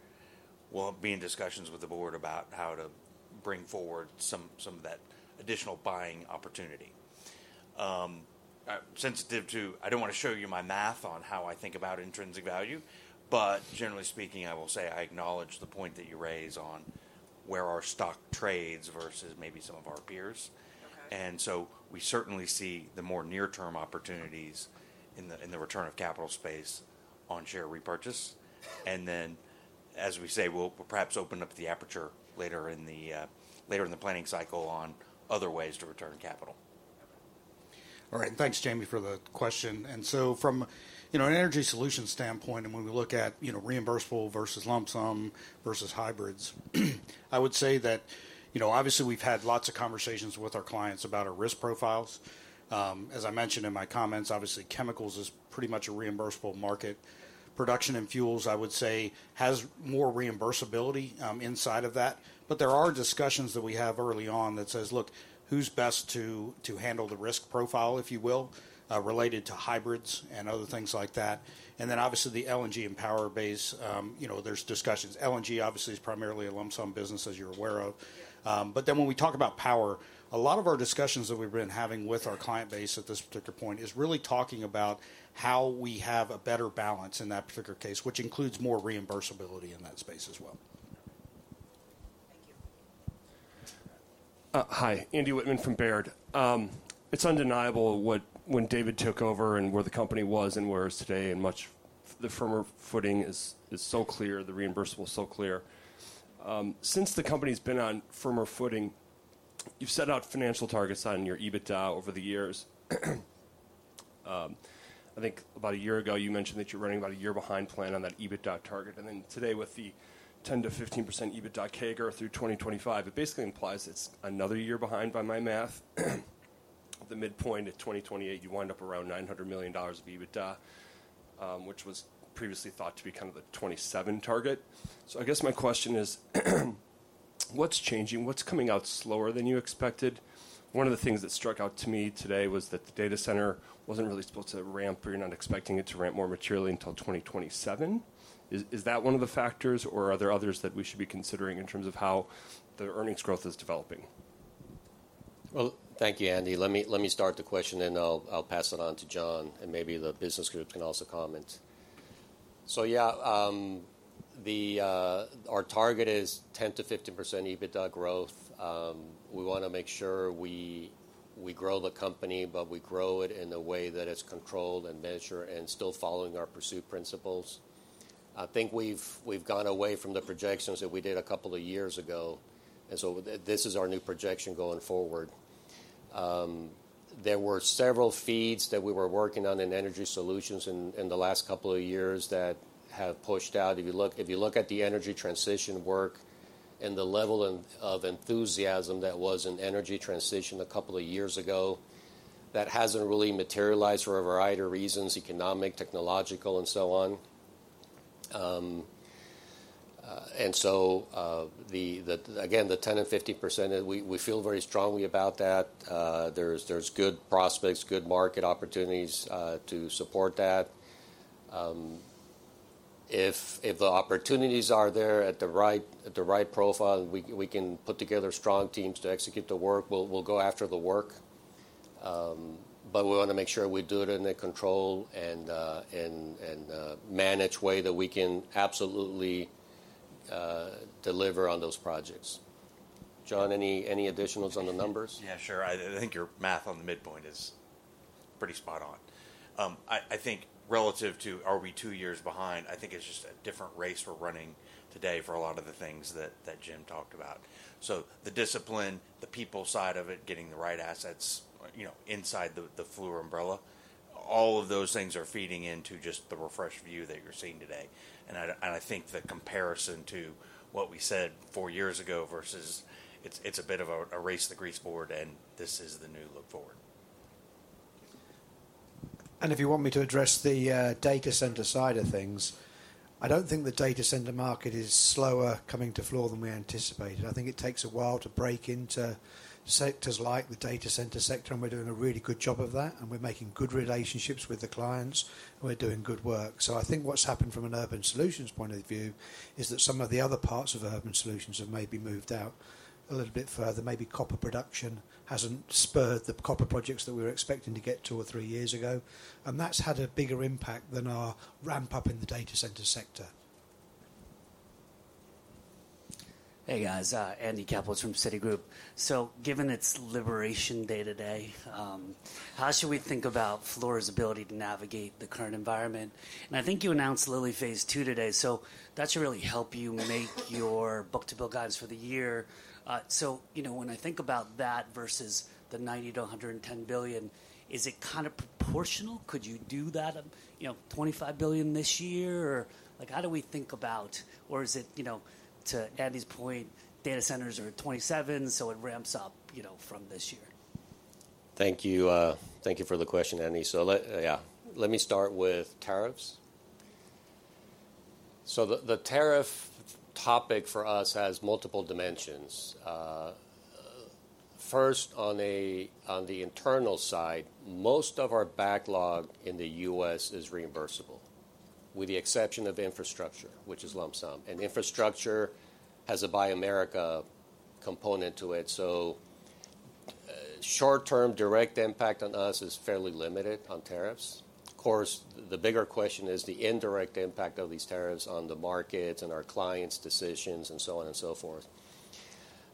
we'll be in discussions with the board about how to bring forward some of that additional buying opportunity. I don't want to show you my math on how I think about intrinsic value, but generally speaking, I will say I acknowledge the point that you raise on where our stock trades versus maybe some of our peers. We certainly see the more near-term opportunities in the return of capital space on share repurchase. As we say, we'll perhaps open up the aperture later in the planning cycle on other ways to return capital. All right. Thanks, Jamie, for the question. From an energy solution standpoint, when we look at reimbursable versus lump sum versus hybrids, I would say that obviously we've had lots of conversations with our clients about our risk profiles. As I mentioned in my comments, obviously, chemicals is pretty much a reimbursable market. Production and fuels, I would say, has more reimbursability inside of that. There are discussions that we have early on that says, look, who's best to handle the risk profile, if you will, related to hybrids and other things like that. Obviously, the LNG and power base, there's discussions. LNG, obviously, is primarily a lump sum business, as you're aware of. When we talk about power, a lot of our discussions that we've been having with our client base at this particular point is really talking about how we have a better balance in that particular case, which includes more reimbursability in that space as well. Hi, Andy Wittmann from Baird. It's undeniable when David took over and where the company was and where it is today and much the firmer footing is so clear, the reimbursable is so clear. Since the company's been on firmer footing, you've set out financial targets on your EBITDA over the years. I think about a year ago, you mentioned that you're running about a year behind plan on that EBITDA target. Today, with the 10%-15% EBITDA CAGR through 2025, it basically implies it's another year behind by my math. The midpoint at 2028, you wind up around $900 million of EBITDA, which was previously thought to be kind of the 2027 target. I guess my question is, what's changing? What's coming out slower than you expected? One of the things that struck out to me today was that the data center was not really supposed to ramp or you are not expecting it to ramp more materially until 2027. Is that one of the factors, or are there others that we should be considering in terms of how the earnings growth is developing? Thank you, Andy. Let me start the question, and I'll pass it on to John, and maybe the business group can also comment. Yeah, our target is 10%-15% EBITDA growth. We want to make sure we grow the company, but we grow it in a way that it's controlled and measured and still following our pursuit principles. I think we've gone away from the projections that we did a couple of years ago. This is our new projection going forward. There were several FEEDs that we were working on in Energy Solutions in the last couple of years that have pushed out. If you look at the energy transition work and the level of enthusiasm that was in energy transition a couple of years ago, that hasn't really materialized for a variety of reasons, economic, technological, and so on. Again, the 10% and 50%, we feel very strongly about that. There's good prospects, good market opportunities to support that. If the opportunities are there at the right profile, we can put together strong teams to execute the work. We'll go after the work, but we want to make sure we do it in a controlled and managed way that we can absolutely deliver on those projects. John, any additionals on the numbers? Yeah, sure. I think your math on the midpoint is pretty spot on. I think relative to are we 2 years behind, I think it's just a different race we're running today for a lot of the things that Jim talked about. The discipline, the people side of it, getting the right assets inside the Fluor umbrella, all of those things are feeding into just the refreshed view that you're seeing today. I think the comparison to what we said 4 years ago versus it's a bit of a race to the grease board, and this is the new look forward. If you want me to address the data center side of things, I don't think the data center market is slower coming to Fluor than we anticipated. I think it takes a while to break into sectors like the data center sector, and we're doing a really good job of that, and we're making good relationships with the clients, and we're doing good work. I think what's happened from an Urban Solutions point of view is that some of the other parts of Urban Solutions have maybe moved out a little bit further. Maybe copper production hasn't spurred the copper projects that we were expecting to get 2 or 3 years ago, and that's had a bigger impact than our ramp-up in the data center sector. Hey, guys. Andy Kaplowitz from Citigroup. Given its liberation day-to-day, how should we think about Fluor's ability to navigate the current environment? I think you announced Lilly phase II today. That should really help you make your book-to-bill guidance for the year. When I think about that versus the $90 billion-$110 billion, is it kind of proportional? Could you do that $25 billion this year? How do we think about, or is it, to Andy's point, data centers are at $27 billion, so it ramps up from this year? Thank you for the question, Andy. Yeah, let me start with tariffs. The tariff topic for us has multiple dimensions. First, on the internal side, most of our backlog in the U.S. is reimbursable, with the exception of infrastructure, which is lump sum. Infrastructure has a Buy America component to it. Short-term direct impact on us is fairly limited on tariffs. Of course, the bigger question is the indirect impact of these tariffs on the markets and our clients' decisions and so on and so forth.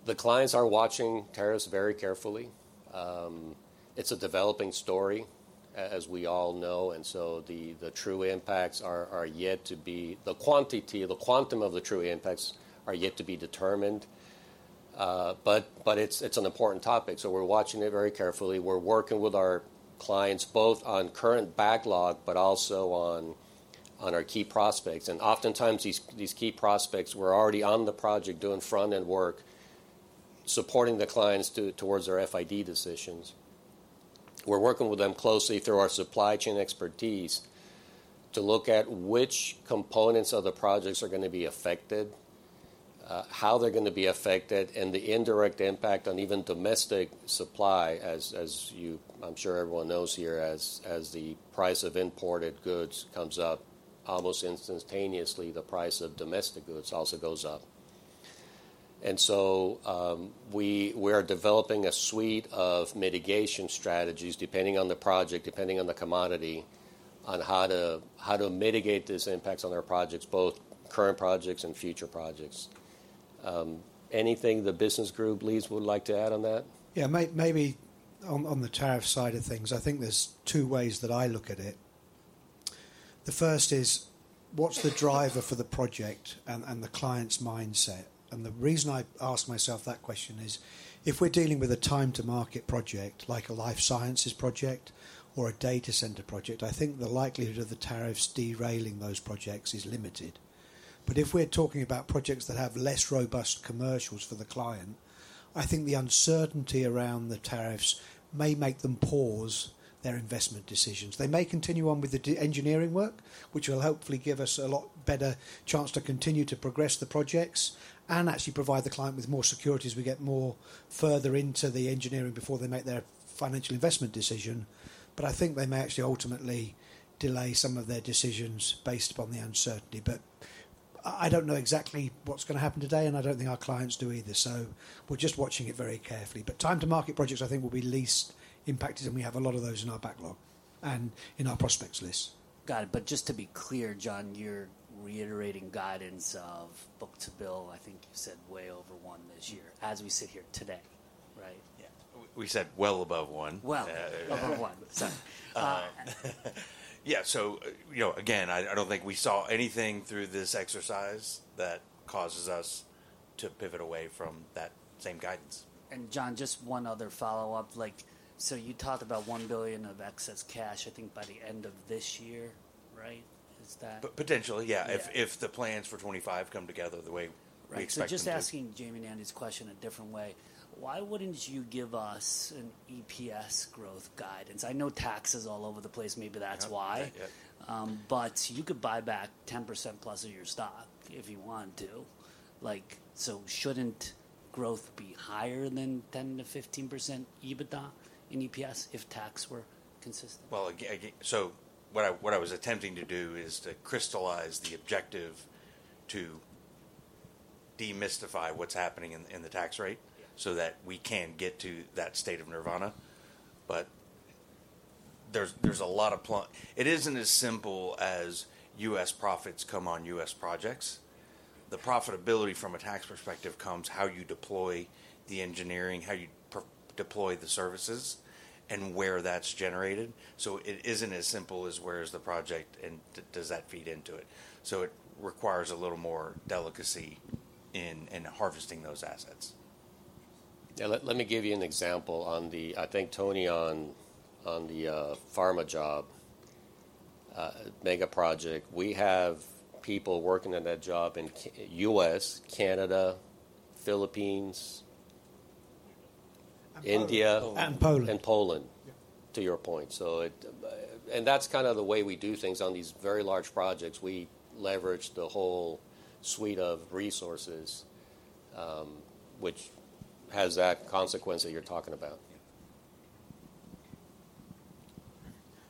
The clients are watching tariffs very carefully. It is a developing story, as we all know. The true impacts are yet to be, the quantity or the quantum of the true impacts are yet to be determined. It is an important topic. We are watching it very carefully. We're working with our clients both on current backlog, but also on our key prospects. Oftentimes, these key prospects, we're already on the project doing front-end work, supporting the clients towards their FID decisions. We're working with them closely through our supply chain expertise to look at which components of the projects are going to be affected, how they're going to be affected, and the indirect impact on even domestic supply, as I'm sure everyone knows here, as the price of imported goods comes up, almost instantaneously, the price of domestic goods also goes up. We are developing a suite of mitigation strategies, depending on the project, depending on the commodity, on how to mitigate these impacts on our projects, both current projects and future projects. Anything the business group leads would like to add on that? Yeah, maybe on the tariff side of things, I think there's two ways that I look at it. The first is, what's the driver for the project and the client's mindset? The reason I ask myself that question is, if we're dealing with a time-to-market project, like a life sciences project or a data center project, I think the likelihood of the tariffs derailing those projects is limited. If we're talking about projects that have less robust commercials for the client, I think the uncertainty around the tariffs may make them pause their investment decisions. They may continue on with the engineering work, which will hopefully give us a lot better chance to continue to progress the projects and actually provide the client with more security as we get further into the engineering before they make their financial investment decision. I think they may actually ultimately delay some of their decisions based upon the uncertainty. I do not know exactly what is going to happen today, and I do not think our clients do either. We are just watching it very carefully. Time-to-market projects, I think, will be least impacted, and we have a lot of those in our backlog and in our prospects list. Got it. Just to be clear, John, you're reiterating guidance of book-to-bill, I think you said way over one this year as we sit here today, right? Yeah. We said well above one. Above one. Yeah. Again, I don't think we saw anything through this exercise that causes us to pivot away from that same guidance. John, just one other follow-up. You talked about $1 billion of excess cash, I think, by the end of this year, right? Is that? Potentially, yeah. If the plans for 2025 come together the way we expected. Just asking Jamie and Andy's question a different way. Why wouldn't you give us an EPS growth guidance? I know tax is all over the place. Maybe that's why. You could buy back 10%+ of your stock if you want to. Shouldn't growth be higher than 10%-15% EBITDA in EPS if tax were consistent? What I was attempting to do is to crystallize the objective to demystify what's happening in the tax rate so that we can get to that state of nirvana. There is a lot of it that isn't as simple as U.S. profits come on U.S. projects. The profitability from a tax perspective comes from how you deploy the engineering, how you deploy the services, and where that's generated. It isn't as simple as where the project is and does that feed into it. It requires a little more delicacy in harvesting those assets. Yeah. Let me give you an example. I think, Tony, on the pharma job, mega project, we have people working in that job in the U.S., Canada, Philippines, India. And Poland. Poland, to your point. That's kind of the way we do things on these very large projects. We leverage the whole suite of resources, which has that consequence that you're talking about.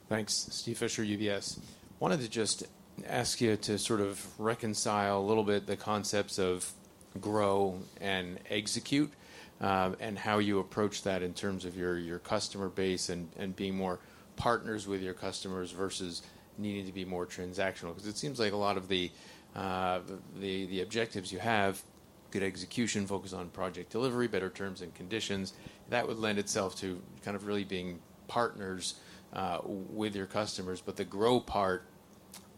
Thanks. Steve Fisher, UBS. Wanted to just ask you to sort of reconcile a little bit the concepts of Grow and Execute and how you approach that in terms of your customer base and being more partners with your customers versus needing to be more transactional. Because it seems like a lot of the objectives you have: good execution, focus on project delivery, better terms and conditions. That would lend itself to kind of really being partners with your customers. The grow part,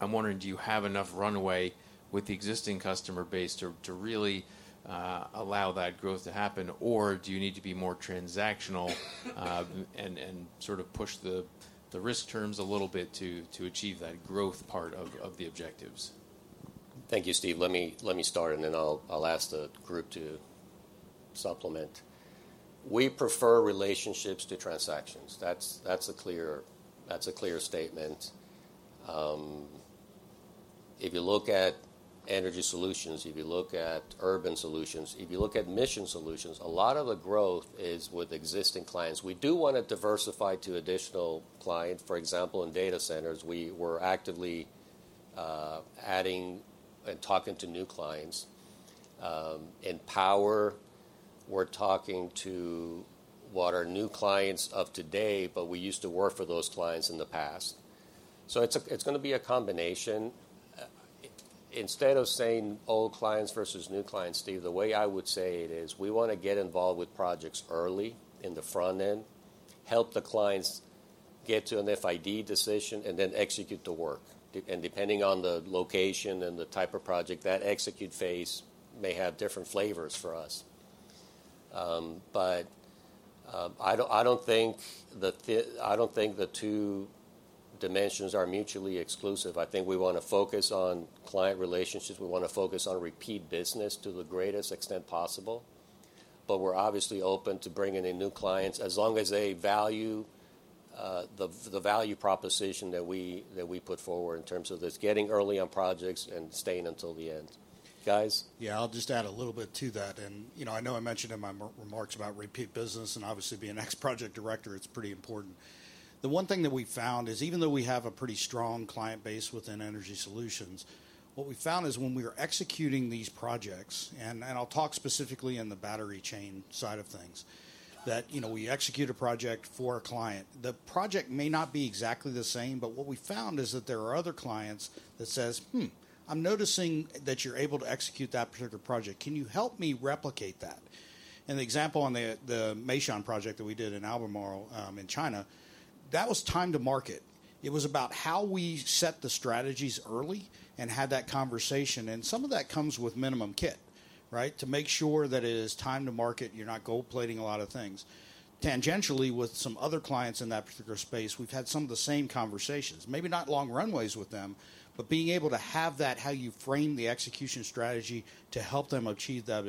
I'm wondering, do you have enough runway with the existing customer base to really allow that growth to happen? Or do you need to be more transactional and sort of push the risk terms a little bit to achieve that growth part of the objectives? Thank you, Steve. Let me start, and then I'll ask the group to supplement. We prefer relationships to transactions. That's a clear statement. If you look at Energy Solutions, if you look at Urban Solutions, if you look at Mission Solutions, a lot of the growth is with existing clients. We do want to diversify to additional clients. For example, in data centers, we're actively adding and talking to new clients. In power, we're talking to what are new clients of today, but we used to work for those clients in the past. It is going to be a combination. Instead of saying old clients versus new clients, Steve, the way I would say it is we want to get involved with projects early in the front end, help the clients get to an FID decision, and then execute the work. Depending on the location and the type of project, that execute phase may have different flavors for us. I do not think the two dimensions are mutually exclusive. I think we want to focus on client relationships. We want to focus on repeat business to the greatest extent possible. We are obviously open to bringing in new clients as long as they value the value proposition that we put forward in terms of just getting early on projects and staying until the end. Guys? Yeah, I'll just add a little bit to that. I know I mentioned in my remarks about repeat business, and obviously, being an ex-project director, it's pretty important. The one thing that we found is even though we have a pretty strong client base within Energy Solutions, what we found is when we are executing these projects, and I'll talk specifically in the battery chain side of things, that we execute a project for a client. The project may not be exactly the same, but what we found is that there are other clients that say, I'm noticing that you're able to execute that particular project. Can you help me replicate that? The example on the Meishan project that we did in Albemarle in China, that was time to market. It was about how we set the strategies early and had that conversation. Some of that comes with minimum kit, right, to make sure that it is time to market and you're not gold plating a lot of things. Tangentially, with some other clients in that particular space, we've had some of the same conversations. Maybe not long runways with them, but being able to have that, how you frame the execution strategy to help them achieve that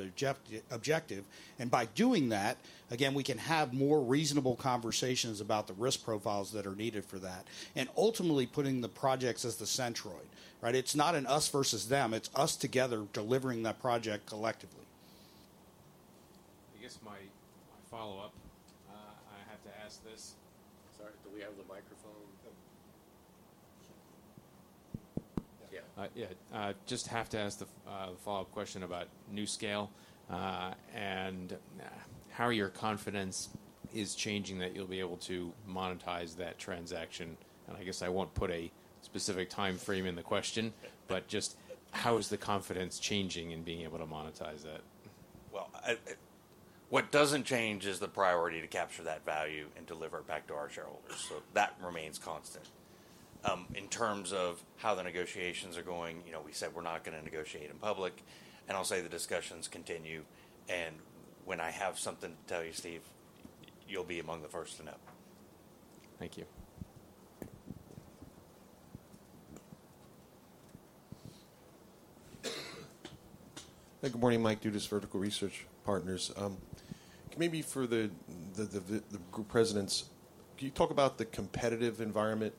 objective. By doing that, again, we can have more reasonable conversations about the risk profiles that are needed for that, and ultimately putting the projects as the centroid, right? It's not an us versus them. It's us together delivering that project collectively. I guess my follow-up, I have to ask this—sorry, do we have the microphone? Yeah. Just have to ask the follow-up question about NuScale and how your confidence is changing that you'll be able to monetize that transaction. I guess I won't put a specific time frame in the question, but just how is the confidence changing in being able to monetize that? What does not change is the priority to capture that value and deliver it back to our shareholders. That remains constant. In terms of how the negotiations are going, we said we are not going to negotiate in public. I will say the discussions continue. When I have something to tell you, Steve, you will be among the first to know. Thank you. Good morning, Mike Dudas, Vertical Research Partners. Maybe for the group presidents, can you talk about the competitive environment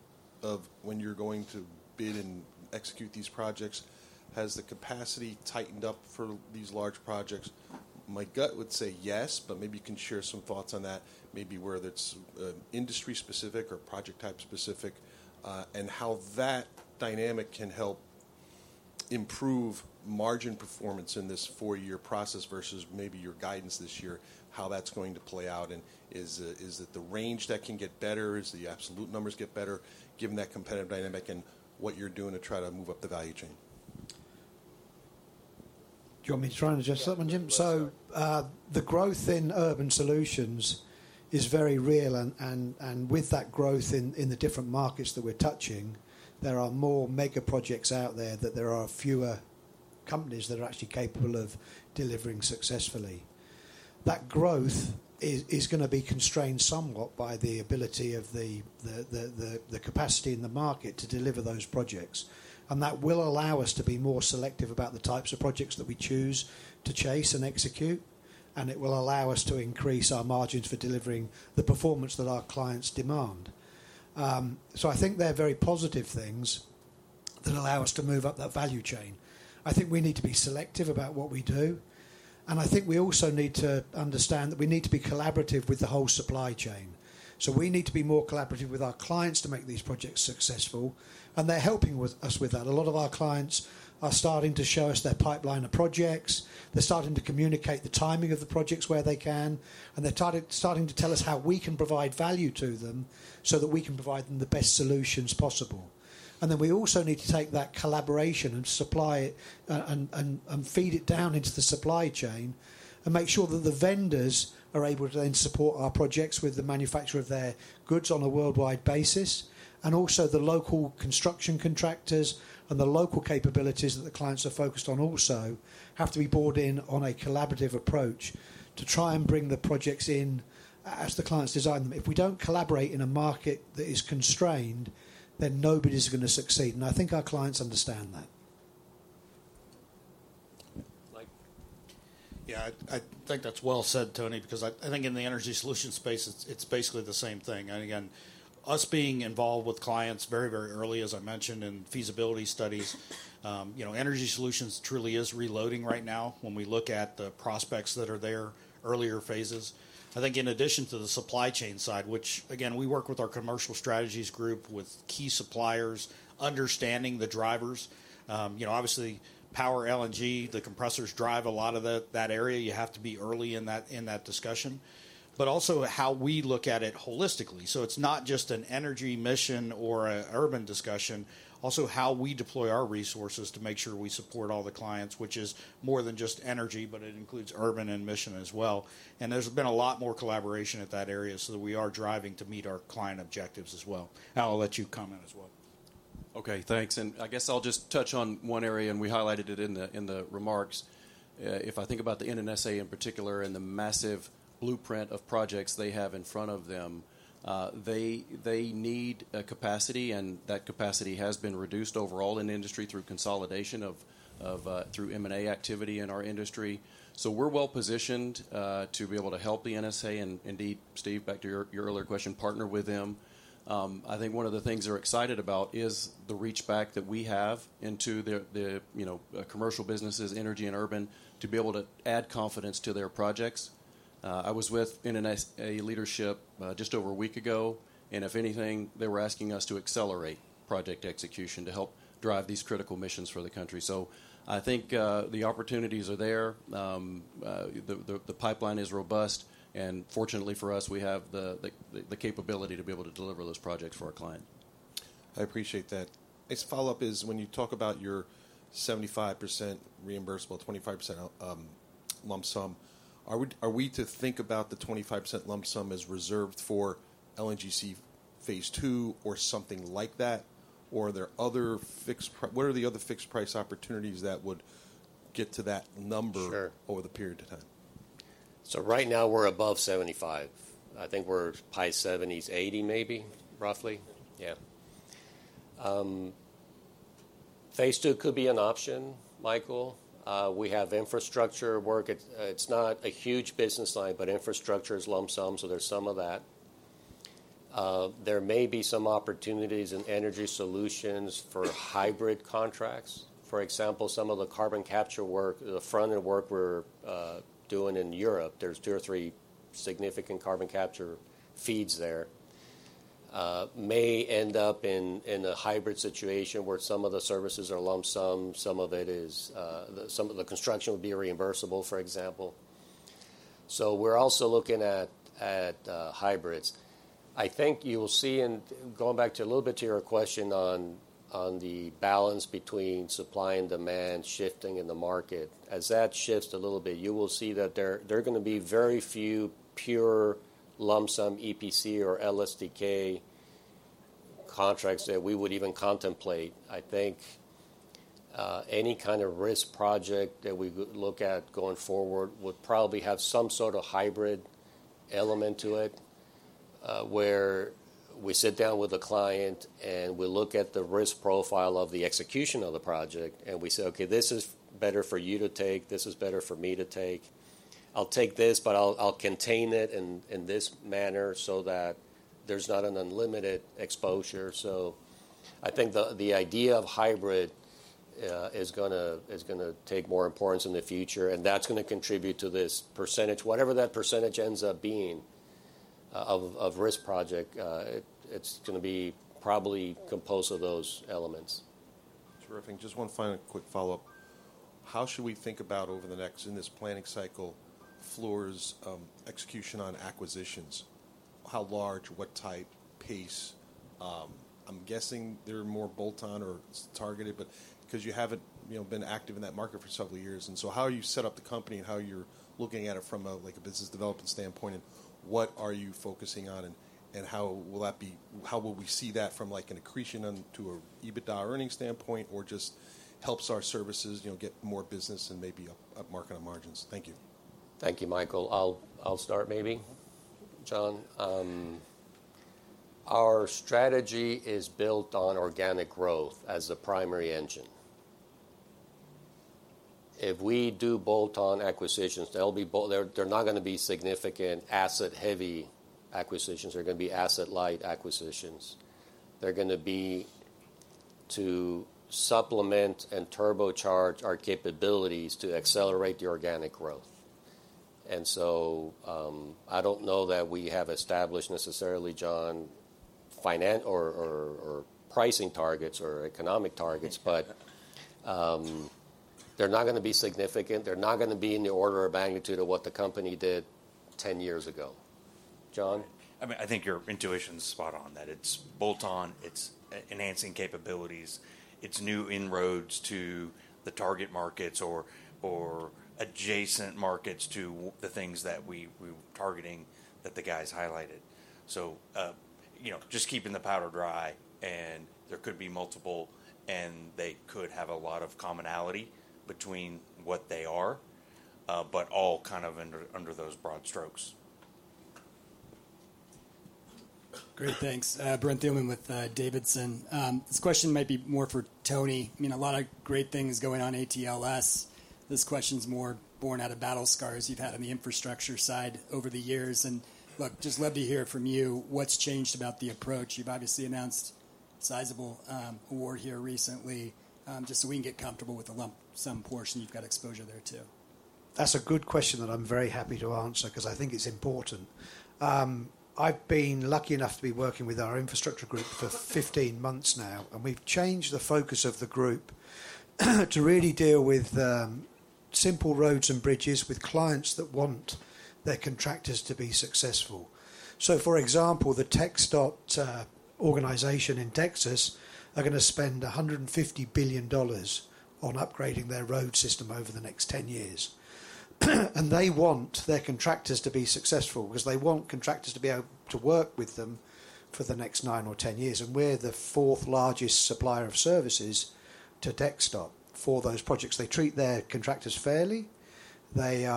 of when you're going to bid and execute these projects? Has the capacity tightened up for these large projects? My gut would say yes, but maybe you can share some thoughts on that, maybe whether it's industry-specific or project-type specific, and how that dynamic can help improve margin performance in this four-year process versus maybe your guidance this year, how that's going to play out, and is it the range that can get better? Is the absolute numbers get better given that competitive dynamic and what you're doing to try to move up the value chain? Do you want me to try and address that one, Jim? The growth in Urban Solutions is very real. With that growth in the different markets that we're touching, there are more mega projects out there that there are fewer companies that are actually capable of delivering successfully. That growth is going to be constrained somewhat by the ability of the capacity in the market to deliver those projects. That will allow us to be more selective about the types of projects that we choose to chase and execute. It will allow us to increase our margins for delivering the performance that our clients demand. I think they're very positive things that allow us to move up that value chain. I think we need to be selective about what we do. I think we also need to understand that we need to be collaborative with the whole supply chain. We need to be more collaborative with our clients to make these projects successful. They are helping us with that. A lot of our clients are starting to show us their pipeline of projects. They are starting to communicate the timing of the projects where they can. They are starting to tell us how we can provide value to them so that we can provide them the best solutions possible. We also need to take that collaboration and supply it and feed it down into the supply chain and make sure that the vendors are able to then support our projects with the manufacture of their goods on a worldwide basis. Also, the local construction contractors and the local capabilities that the clients are focused on also have to be brought in on a collaborative approach to try and bring the projects in as the clients design them. If we don't collaborate in a market that is constrained, then nobody's going to succeed. I think our clients understand that. Yeah, I think that's well said, Tony, because I think in the energy solution space, it's basically the same thing. Again, us being involved with clients very, very early, as I mentioned, in feasibility studies, Energy Solutions truly is reloading right now when we look at the prospects that are their earlier phases. I think in addition to the supply chain side, which again, we work with our commercial strategies group with key suppliers, understanding the drivers. Obviously, power LNG, the compressors drive a lot of that area. You have to be early in that discussion. Also how we look at it holistically. It's not just an energy mission or an urban discussion. Also how we deploy our resources to make sure we support all the clients, which is more than just energy, but it includes urban and mission as well. There has been a lot more collaboration at that area so that we are driving to meet our client objectives as well. I'll let you comment as well. Okay, thanks. I guess I'll just touch on one area, and we highlighted it in the remarks. If I think about the NNSA in particular and the massive blueprint of projects they have in front of them, they need a capacity, and that capacity has been reduced overall in the industry through consolidation of through M&A activity in our industry. We are well positioned to be able to help the NSA and indeed, Steve, back to your earlier question, partner with them. I think one of the things they're excited about is the reach back that we have into the commercial businesses, energy and urban, to be able to add confidence to their projects. I was with NNSA leadership just over a week ago, and if anything, they were asking us to accelerate project execution to help drive these critical missions for the country. I think the opportunities are there. The pipeline is robust. Fortunately for us, we have the capability to be able to deliver those projects for our client. I appreciate that. Next follow-up is when you talk about your 75% reimbursable, 25% lump sum, are we to think about the 25% lump sum as reserved for LNGC phase II or something like that? Or are there other fixed price? What are the other fixed price opportunities that would get to that number over the period of time? Right now we're above 75. I think we're high 70s, 80 maybe, roughly. Yeah. Phase two could be an option, Michael. We have infrastructure work. It's not a huge business line, but infrastructure is lump sum, so there's some of that. There may be some opportunities in Energy Solutions for hybrid contracts. For example, some of the carbon capture work, the front-end work we're doing in Europe, there's two or three significant carbon capture FEEDs there. May end up in a hybrid situation where some of the services are lump sum, some of it is some of the construction would be reimbursable, for example. We're also looking at hybrids. I think you will see, and going back to a little bit to your question on the balance between supply and demand shifting in the market, as that shifts a little bit, you will see that there are going to be very few pure lump sum EPC or LSDK contracts that we would even contemplate. I think any kind of risk project that we look at going forward would probably have some sort of hybrid element to it where we sit down with a client and we look at the risk profile of the execution of the project and we say, "Okay, this is better for you to take. This is better for me to take. I'll take this, but I'll contain it in this manner so that there's not an unlimited exposure." I think the idea of hybrid is going to take more importance in the future, and that's going to contribute to this percentage, whatever that percentage ends up being of risk project, it's going to be probably composed of those elements. Terrific. Just one final quick follow-up. How should we think about over the next, in this planning cycle, Fluor's execution on acquisitions? How large, what type, pace? I'm guessing they're more bolt-on or targeted, because you haven't been active in that market for several years. How are you set up the company and how are you looking at it from a business development standpoint, and what are you focusing on, and how will that be? How will we see that from an accretion to an EBITDA earnings standpoint, or just helps our services get more business and maybe marketing margins? Thank you. Thank you, Michael. I'll start maybe, John. Our strategy is built on organic growth as the primary engine. If we do bolt-on acquisitions, they'll be bolt-on. They're not going to be significant asset-heavy acquisitions. They're going to be asset-light acquisitions. They're going to be to supplement and turbocharge our capabilities to accelerate the organic growth. I don't know that we have established necessarily, John, pricing targets or economic targets, but they're not going to be significant. They're not going to be in the order of magnitude of what the company did 10 years ago. John? I mean, I think your intuition is spot on that it's bolt-on. It's enhancing capabilities. It's new inroads to the target markets or adjacent markets to the things that we were targeting that the guys highlighted. Just keeping the powder dry, and there could be multiple, and they could have a lot of commonality between what they are, but all kind of under those broad strokes. Great, thanks. Brent Thielman with Davidson. This question might be more for Tony. I mean, a lot of great things going on ATLS. This question's more born out of battle scars you've had on the infrastructure side over the years. Look, just love to hear from you what's changed about the approach. You've obviously announced a sizable award here recently. Just so we can get comfortable with the lump sum portion, you've got exposure there too. That's a good question that I'm very happy to answer because I think it's important. I've been lucky enough to be working with our infrastructure group for 15 months now, and we've changed the focus of the group to really deal with simple roads and bridges with clients that want their contractors to be successful. For example, the TxDOT Organization in Texas are going to spend $150 billion on upgrading their road system over the next 10 years. They want their contractors to be successful because they want contractors to be able to work with them for the next 9 or 10 years. We're the fourth largest supplier of services to the TxDOT for those projects. They treat their contractors fairly. They're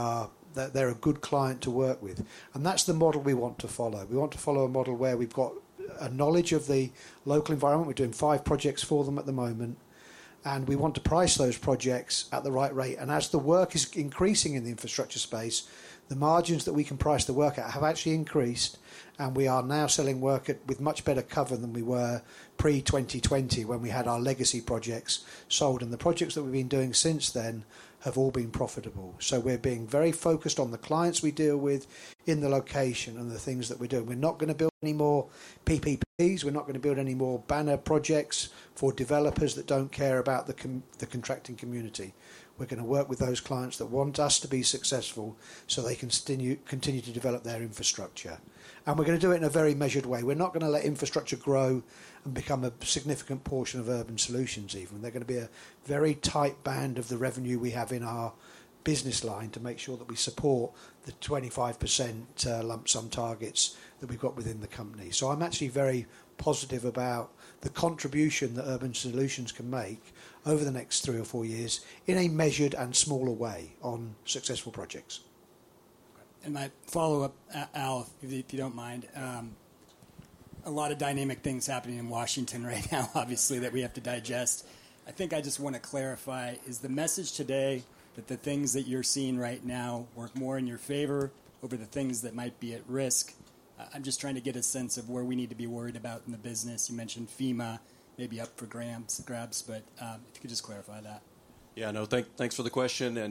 a good client to work with. That's the model we want to follow. We want to follow a model where we've got a knowledge of the local environment. We're doing five projects for them at the moment. We want to price those projects at the right rate. As the work is increasing in the infrastructure space, the margins that we can price the work at have actually increased. We are now selling work with much better cover than we were pre-2020 when we had our legacy projects sold. The projects that we've been doing since then have all been profitable. We are being very focused on the clients we deal with in the location and the things that we're doing. We're not going to build any more PPPs. We're not going to build any more banner projects for developers that do not care about the contracting community. We're going to work with those clients that want us to be successful so they can continue to develop their infrastructure. We're going to do it in a very measured way. We're not going to let infrastructure grow and become a significant portion of Urban Solutions even. They're going to be a very tight band of the revenue we have in our business line to make sure that we support the 25% lump sum targets that we've got within the company. I'm actually very positive about the contribution that Urban Solutions can make over the next 3 or 4 years in a measured and smaller way on successful projects. My follow-up, Al, if you do not mind. A lot of dynamic things happening in Washington right now, obviously, that we have to digest. I think I just want to clarify, is the message today that the things that you are seeing right now work more in your favor over the things that might be at risk? I am just trying to get a sense of where we need to be worried about in the business. You mentioned FEMA, maybe up for grabs, but if you could just clarify that. Yeah, no, thanks for the question. Yeah,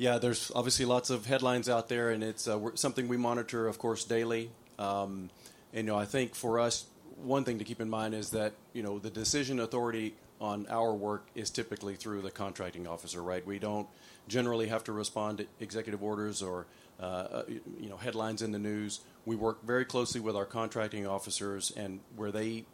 there's obviously lots of headlines out there, and it's something we monitor, of course, daily. I think for us, one thing to keep in mind is that the decision authority on our work is typically through the contracting officer, right? We don't generally have to respond to executive orders or headlines in the news. We work very closely with our contracting officers, and where they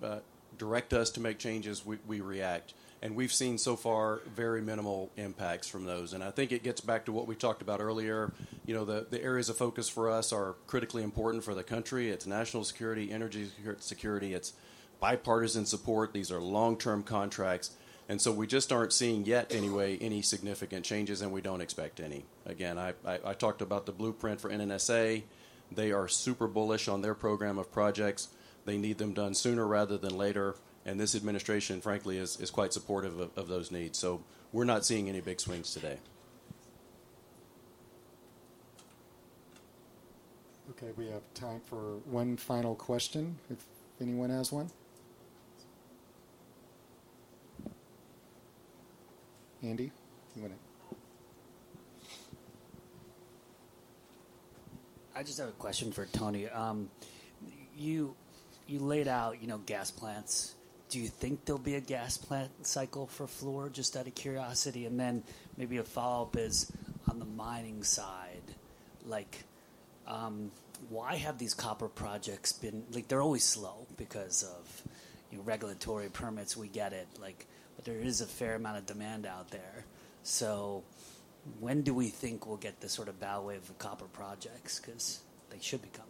direct us to make changes, we react. We've seen so far very minimal impacts from those. I think it gets back to what we talked about earlier. The areas of focus for us are critically important for the country. It's national security, energy security. It's bipartisan support. These are long-term contracts. We just aren't seeing yet anyway any significant changes, and we don't expect any. Again, I talked about the blueprint for NNSA. They are super bullish on their program of projects. They need them done sooner rather than later. This administration, frankly, is quite supportive of those needs. We're not seeing any big swings today. Okay, we have time for one final question if anyone has one. Andy, you want to? I just have a question for Tony. You laid out gas plants. Do you think there'll be a gas plant cycle for Fluor just out of curiosity? Maybe a follow-up is on the mining side. Why have these copper projects been, they're always slow because of regulatory permits. We get it. There is a fair amount of demand out there. When do we think we'll get this sort of ballad of copper projects? They should be coming.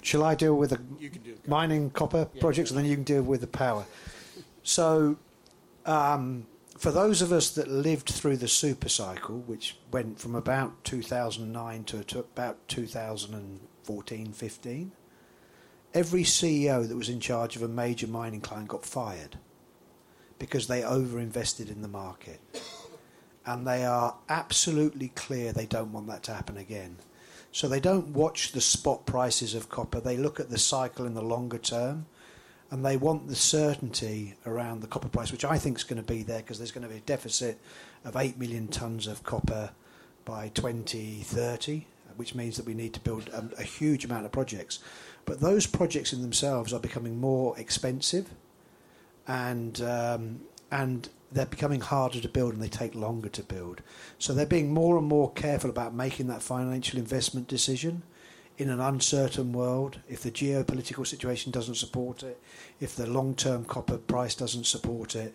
Shall I deal with the mining copper projects, and then you can deal with the power? For those of us that lived through the supercycle, which went from about 2009 to about 2014, 2015, every CEO that was in charge of a major mining client got fired because they overinvested in the market. They are absolutely clear they do not want that to happen again. They do not watch the spot prices of copper. They look at the cycle in the longer term, and they want the certainty around the copper price, which I think is going to be there because there is going to be a deficit of 8 million tons of copper by 2030, which means that we need to build a huge amount of projects. Those projects in themselves are becoming more expensive, and they are becoming harder to build, and they take longer to build. They're being more and more careful about making that financial investment decision in an uncertain world. If the geopolitical situation doesn't support it, if the long-term copper price doesn't support it,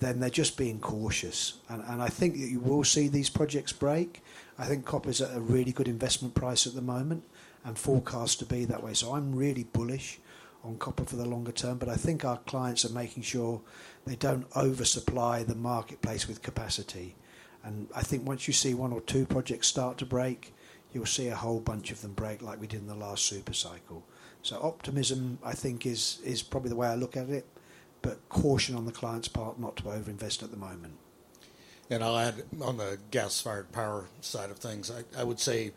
then they're just being cautious. I think that you will see these projects break. I think copper is at a really good investment price at the moment and forecast to be that way. I'm really bullish on copper for the longer term, but I think our clients are making sure they don't oversupply the marketplace with capacity. I think once you see one or two projects start to break, you'll see a whole bunch of them break like we did in the last supercycle. Optimism, I think, is probably the way I look at it, but caution on the client's part not to overinvest at the moment. I'll add on the gas-fired power side of things. I would say,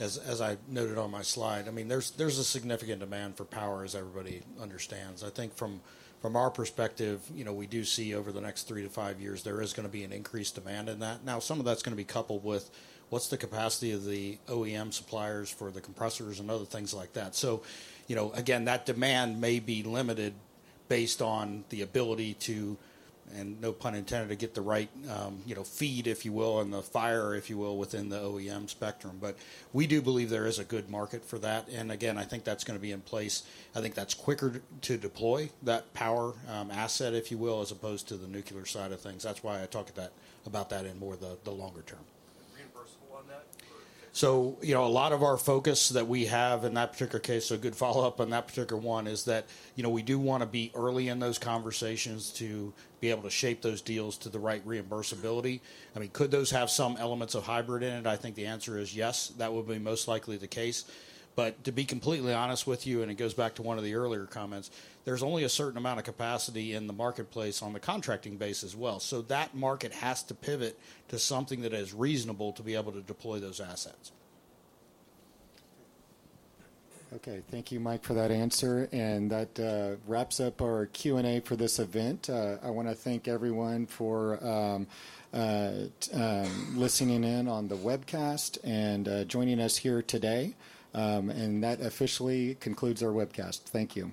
as I noted on my slide, I mean, there's a significant demand for power, as everybody understands. I think from our perspective, we do see over the next 3-5 years, there is going to be an increased demand in that. Now, some of that's going to be coupled with what's the capacity of the OEM suppliers for the compressors and other things like that. That demand may be limited based on the ability to, and no pun intended, to get the right FEED, if you will, and the fire, if you will, within the OEM spectrum. We do believe there is a good market for that. I think that's going to be in place. I think that's quicker to deploy that power asset, if you will, as opposed to the nuclear side of things. That's why I talk about that in more the longer term. A lot of our focus that we have in that particular case, good follow-up on that particular one, is that we do want to be early in those conversations to be able to shape those deals to the right reimbursability. I mean, could those have some elements of hybrid in it? I think the answer is yes. That will be most likely the case. To be completely honest with you, and it goes back to one of the earlier comments, there's only a certain amount of capacity in the marketplace on the contracting base as well. That market has to pivot to something that is reasonable to be able to deploy those assets. Okay, thank you, Mike, for that answer. That wraps up our Q&A for this event. I want to thank everyone for listening in on the webcast and joining us here today. That officially concludes our webcast. Thank you.